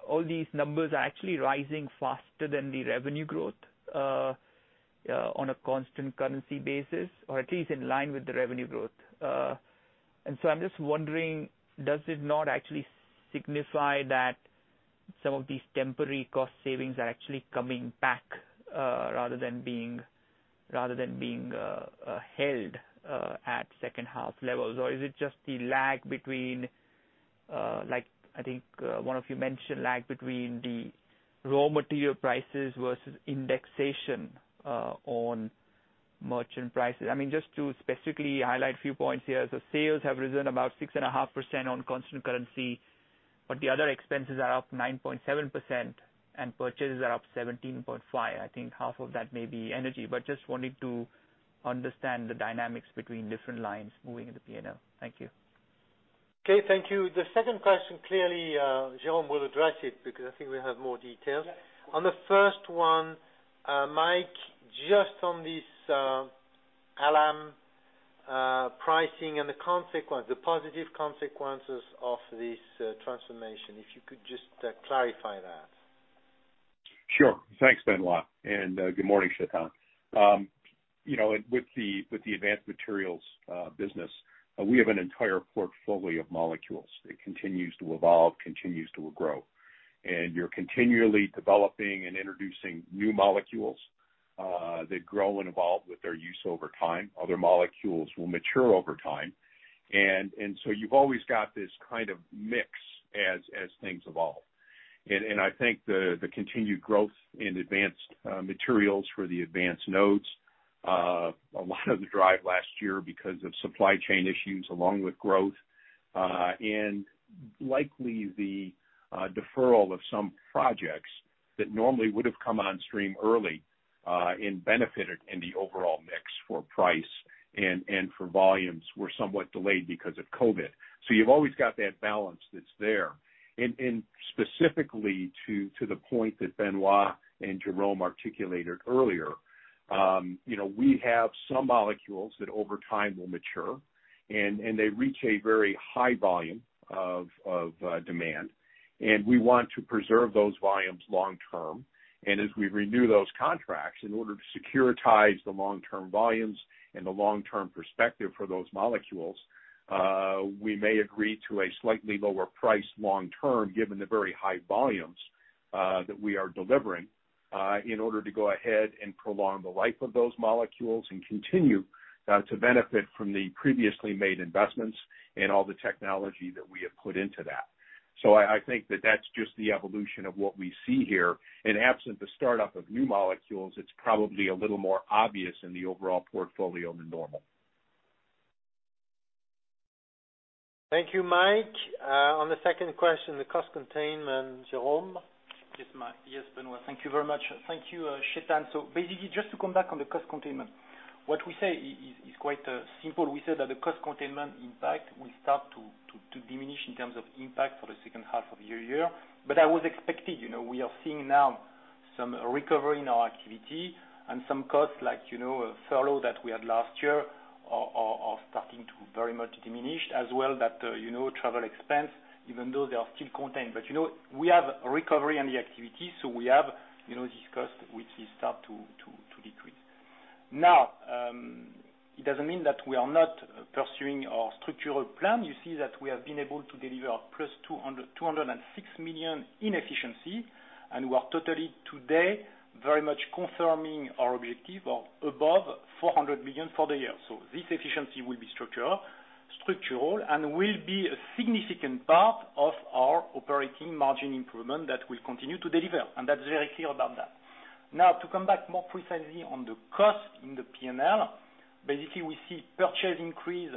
all these numbers are actually rising faster than the revenue growth on a constant currency basis, or at least in line with the revenue growth. I'm just wondering, does this not actually signify that some of these temporary cost savings are actually coming back, rather than being held at second half levels? Or is it just the lag between, I think, one of you mentioned lag between the raw material prices versus indexation on merchant prices? Just to specifically highlight a few points here. Sales have risen about 6.5% on constant currency, but the other expenses are up 9.7% and purchases are up 17.5%. I think half of that may be energy. Just wanted to understand the dynamics between different lines moving in the P&L. Thank you. Okay. Thank you. The second question, clearly, Jérôme will address it because I think we have more details. On the first one, Mike, just on this ALAM pricing and the positive consequences of this transformation, if you could just clarify that. Sure. Thanks, Benoît. Good morning, Chetan. With the advanced materials business, we have an entire portfolio of molecules. It continues to evolve, continues to grow. You're continually developing and introducing new molecules that grow and evolve with their use over time. Other molecules will mature over time. You've always got this kind of mix as things evolve. I think the continued growth in advanced materials for the advanced nodes, a lot of the drive last year because of supply chain issues along with growth. Likely the deferral of some projects that normally would have come on stream early and benefited in the overall mix for price and for volumes were somewhat delayed because of COVID. You've always got that balance that's there. Specifically to the point that Benoît and Jérôme articulated earlier, we have some molecules that over time will mature, and they reach a very high volume of demand. We want to preserve those volumes long-term. As we renew those contracts, in order to securitize the long-term volumes and the long-term perspective for those molecules, we may agree to a slightly lower price long-term, given the very high volumes that we are delivering, in order to go ahead and prolong the life of those molecules and continue to benefit from the previously made investments and all the technology that we have put into that. I think that that's just the evolution of what we see here. Absent the start-up of new molecules, it's probably a little more obvious in the overall portfolio than normal. Thank you, Mike. On the second question, the cost containment, Jérôme? Yes, Benoît. Thank you very much. Thank you, Chetan. Basically, just to come back on the cost containment. What we say is quite simple. We said that the cost containment impact will start to diminish in terms of impact for the second half of the year. That was expected. We are seeing now some recovery in our activity and some costs like furlough that we had last year are starting to very much diminish, as well that travel expense, even though they are still contained. We have recovery in the activity, so we have this cost which will start to decrease. It doesn't mean that we are not pursuing our structural plan. You see that we have been able to deliver +206 million in efficiency, and we are totally today very much confirming our objective of above 400 million for the year. This efficiency will be structural, and will be a significant part of our operating margin improvement that we'll continue to deliver, and that's very clear about that. Now, to come back more precisely on the cost in the P&L, basically, we see purchase increase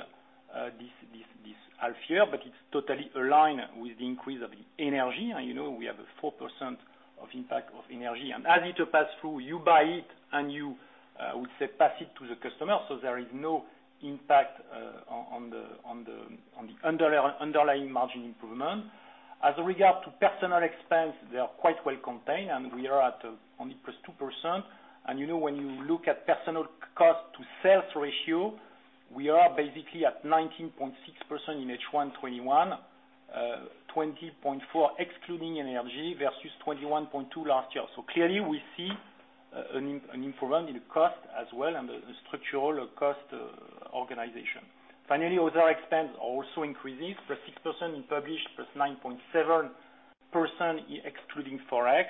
this half year, but it's totally aligned with the increase of energy. We have 4% of impact of energy. As it pass through, you buy it and you, I would say, pass it to the customer. There is no impact on the underlying margin improvement. As regard to personnel expense, they are quite well contained, and we are at only +2%. When you look at personnel cost to sales ratio, we are basically at 19.6% in H1 2021, 20.4% excluding energy versus 21.2% last year. Clearly, we see an improvement in the cost as well and the structural cost organization. Finally, other expense also increases, +6% in published, +9.7% excluding Forex.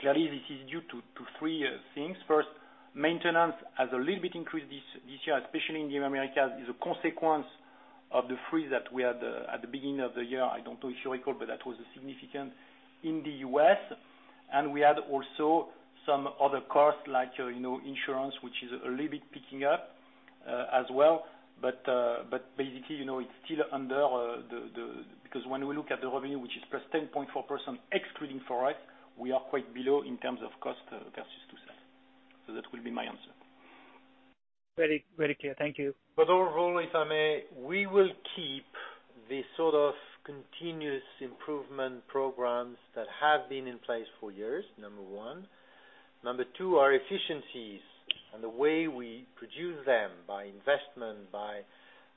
Clearly, this is due to three things. First, maintenance has a little bit increased this year, especially in the Americas, is a consequence of the freeze that we had at the beginning of the year. I don't know if you recall, but that was significant in the U.S. We had also some other costs like insurance, which is a little bit picking up as well. Basically, it's still under, because when we look at the revenue, which is +10.4% excluding Forex, we are quite below in terms of cost versus to sell. That will be my answer. Very clear. Thank you. Overall, if I may, we will keep the sort of continuous improvement programs that have been in place for years, number one. Number two, our efficiencies and the way we produce them by investment, by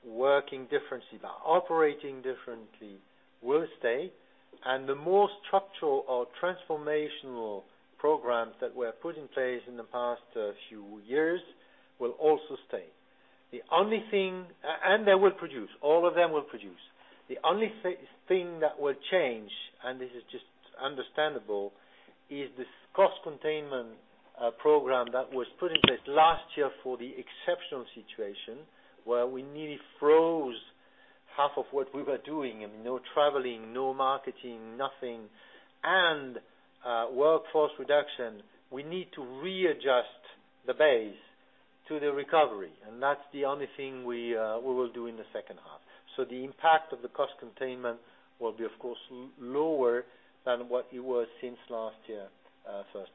working differently, by operating differently, will stay. The more structural or transformational programs that were put in place in the past few years will also stay. They will produce, all of them will produce. The only thing that will change, and this is just understandable, is this cost containment program that was put in place last year for the exceptional situation, where we nearly froze half of what we were doing, no traveling, no marketing, nothing, and workforce reduction. We need to readjust the base to the recovery, and that's the only thing we will do in the second half. The impact of the cost containment will be, of course, lower than what it was since last year, first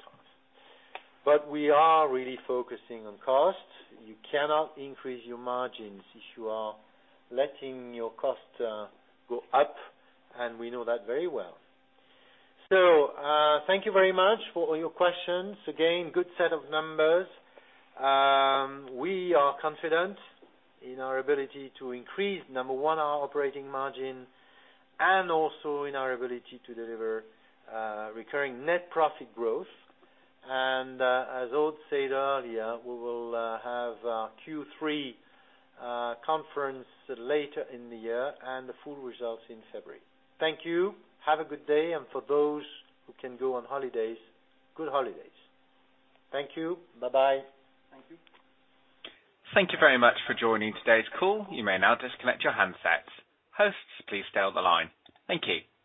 half. We are really focusing on cost. You cannot increase your margins if you are letting your cost go up, and we know that very well. Thank you very much for all your questions. Again, good set of numbers. We are confident in our ability to increase, number one, our operating margin, and also in our ability to deliver recurring net profit growth. As Aude said earlier, we will have our Q3 conference later in the year and the full results in February. Thank you. Have a good day, and for those who can go on holidays, good holidays. Thank you. Bye-bye. Thank you. Thank you very much for joining today's call. You may now disconnect your handsets. Hosts, please stay on the line. Thank you.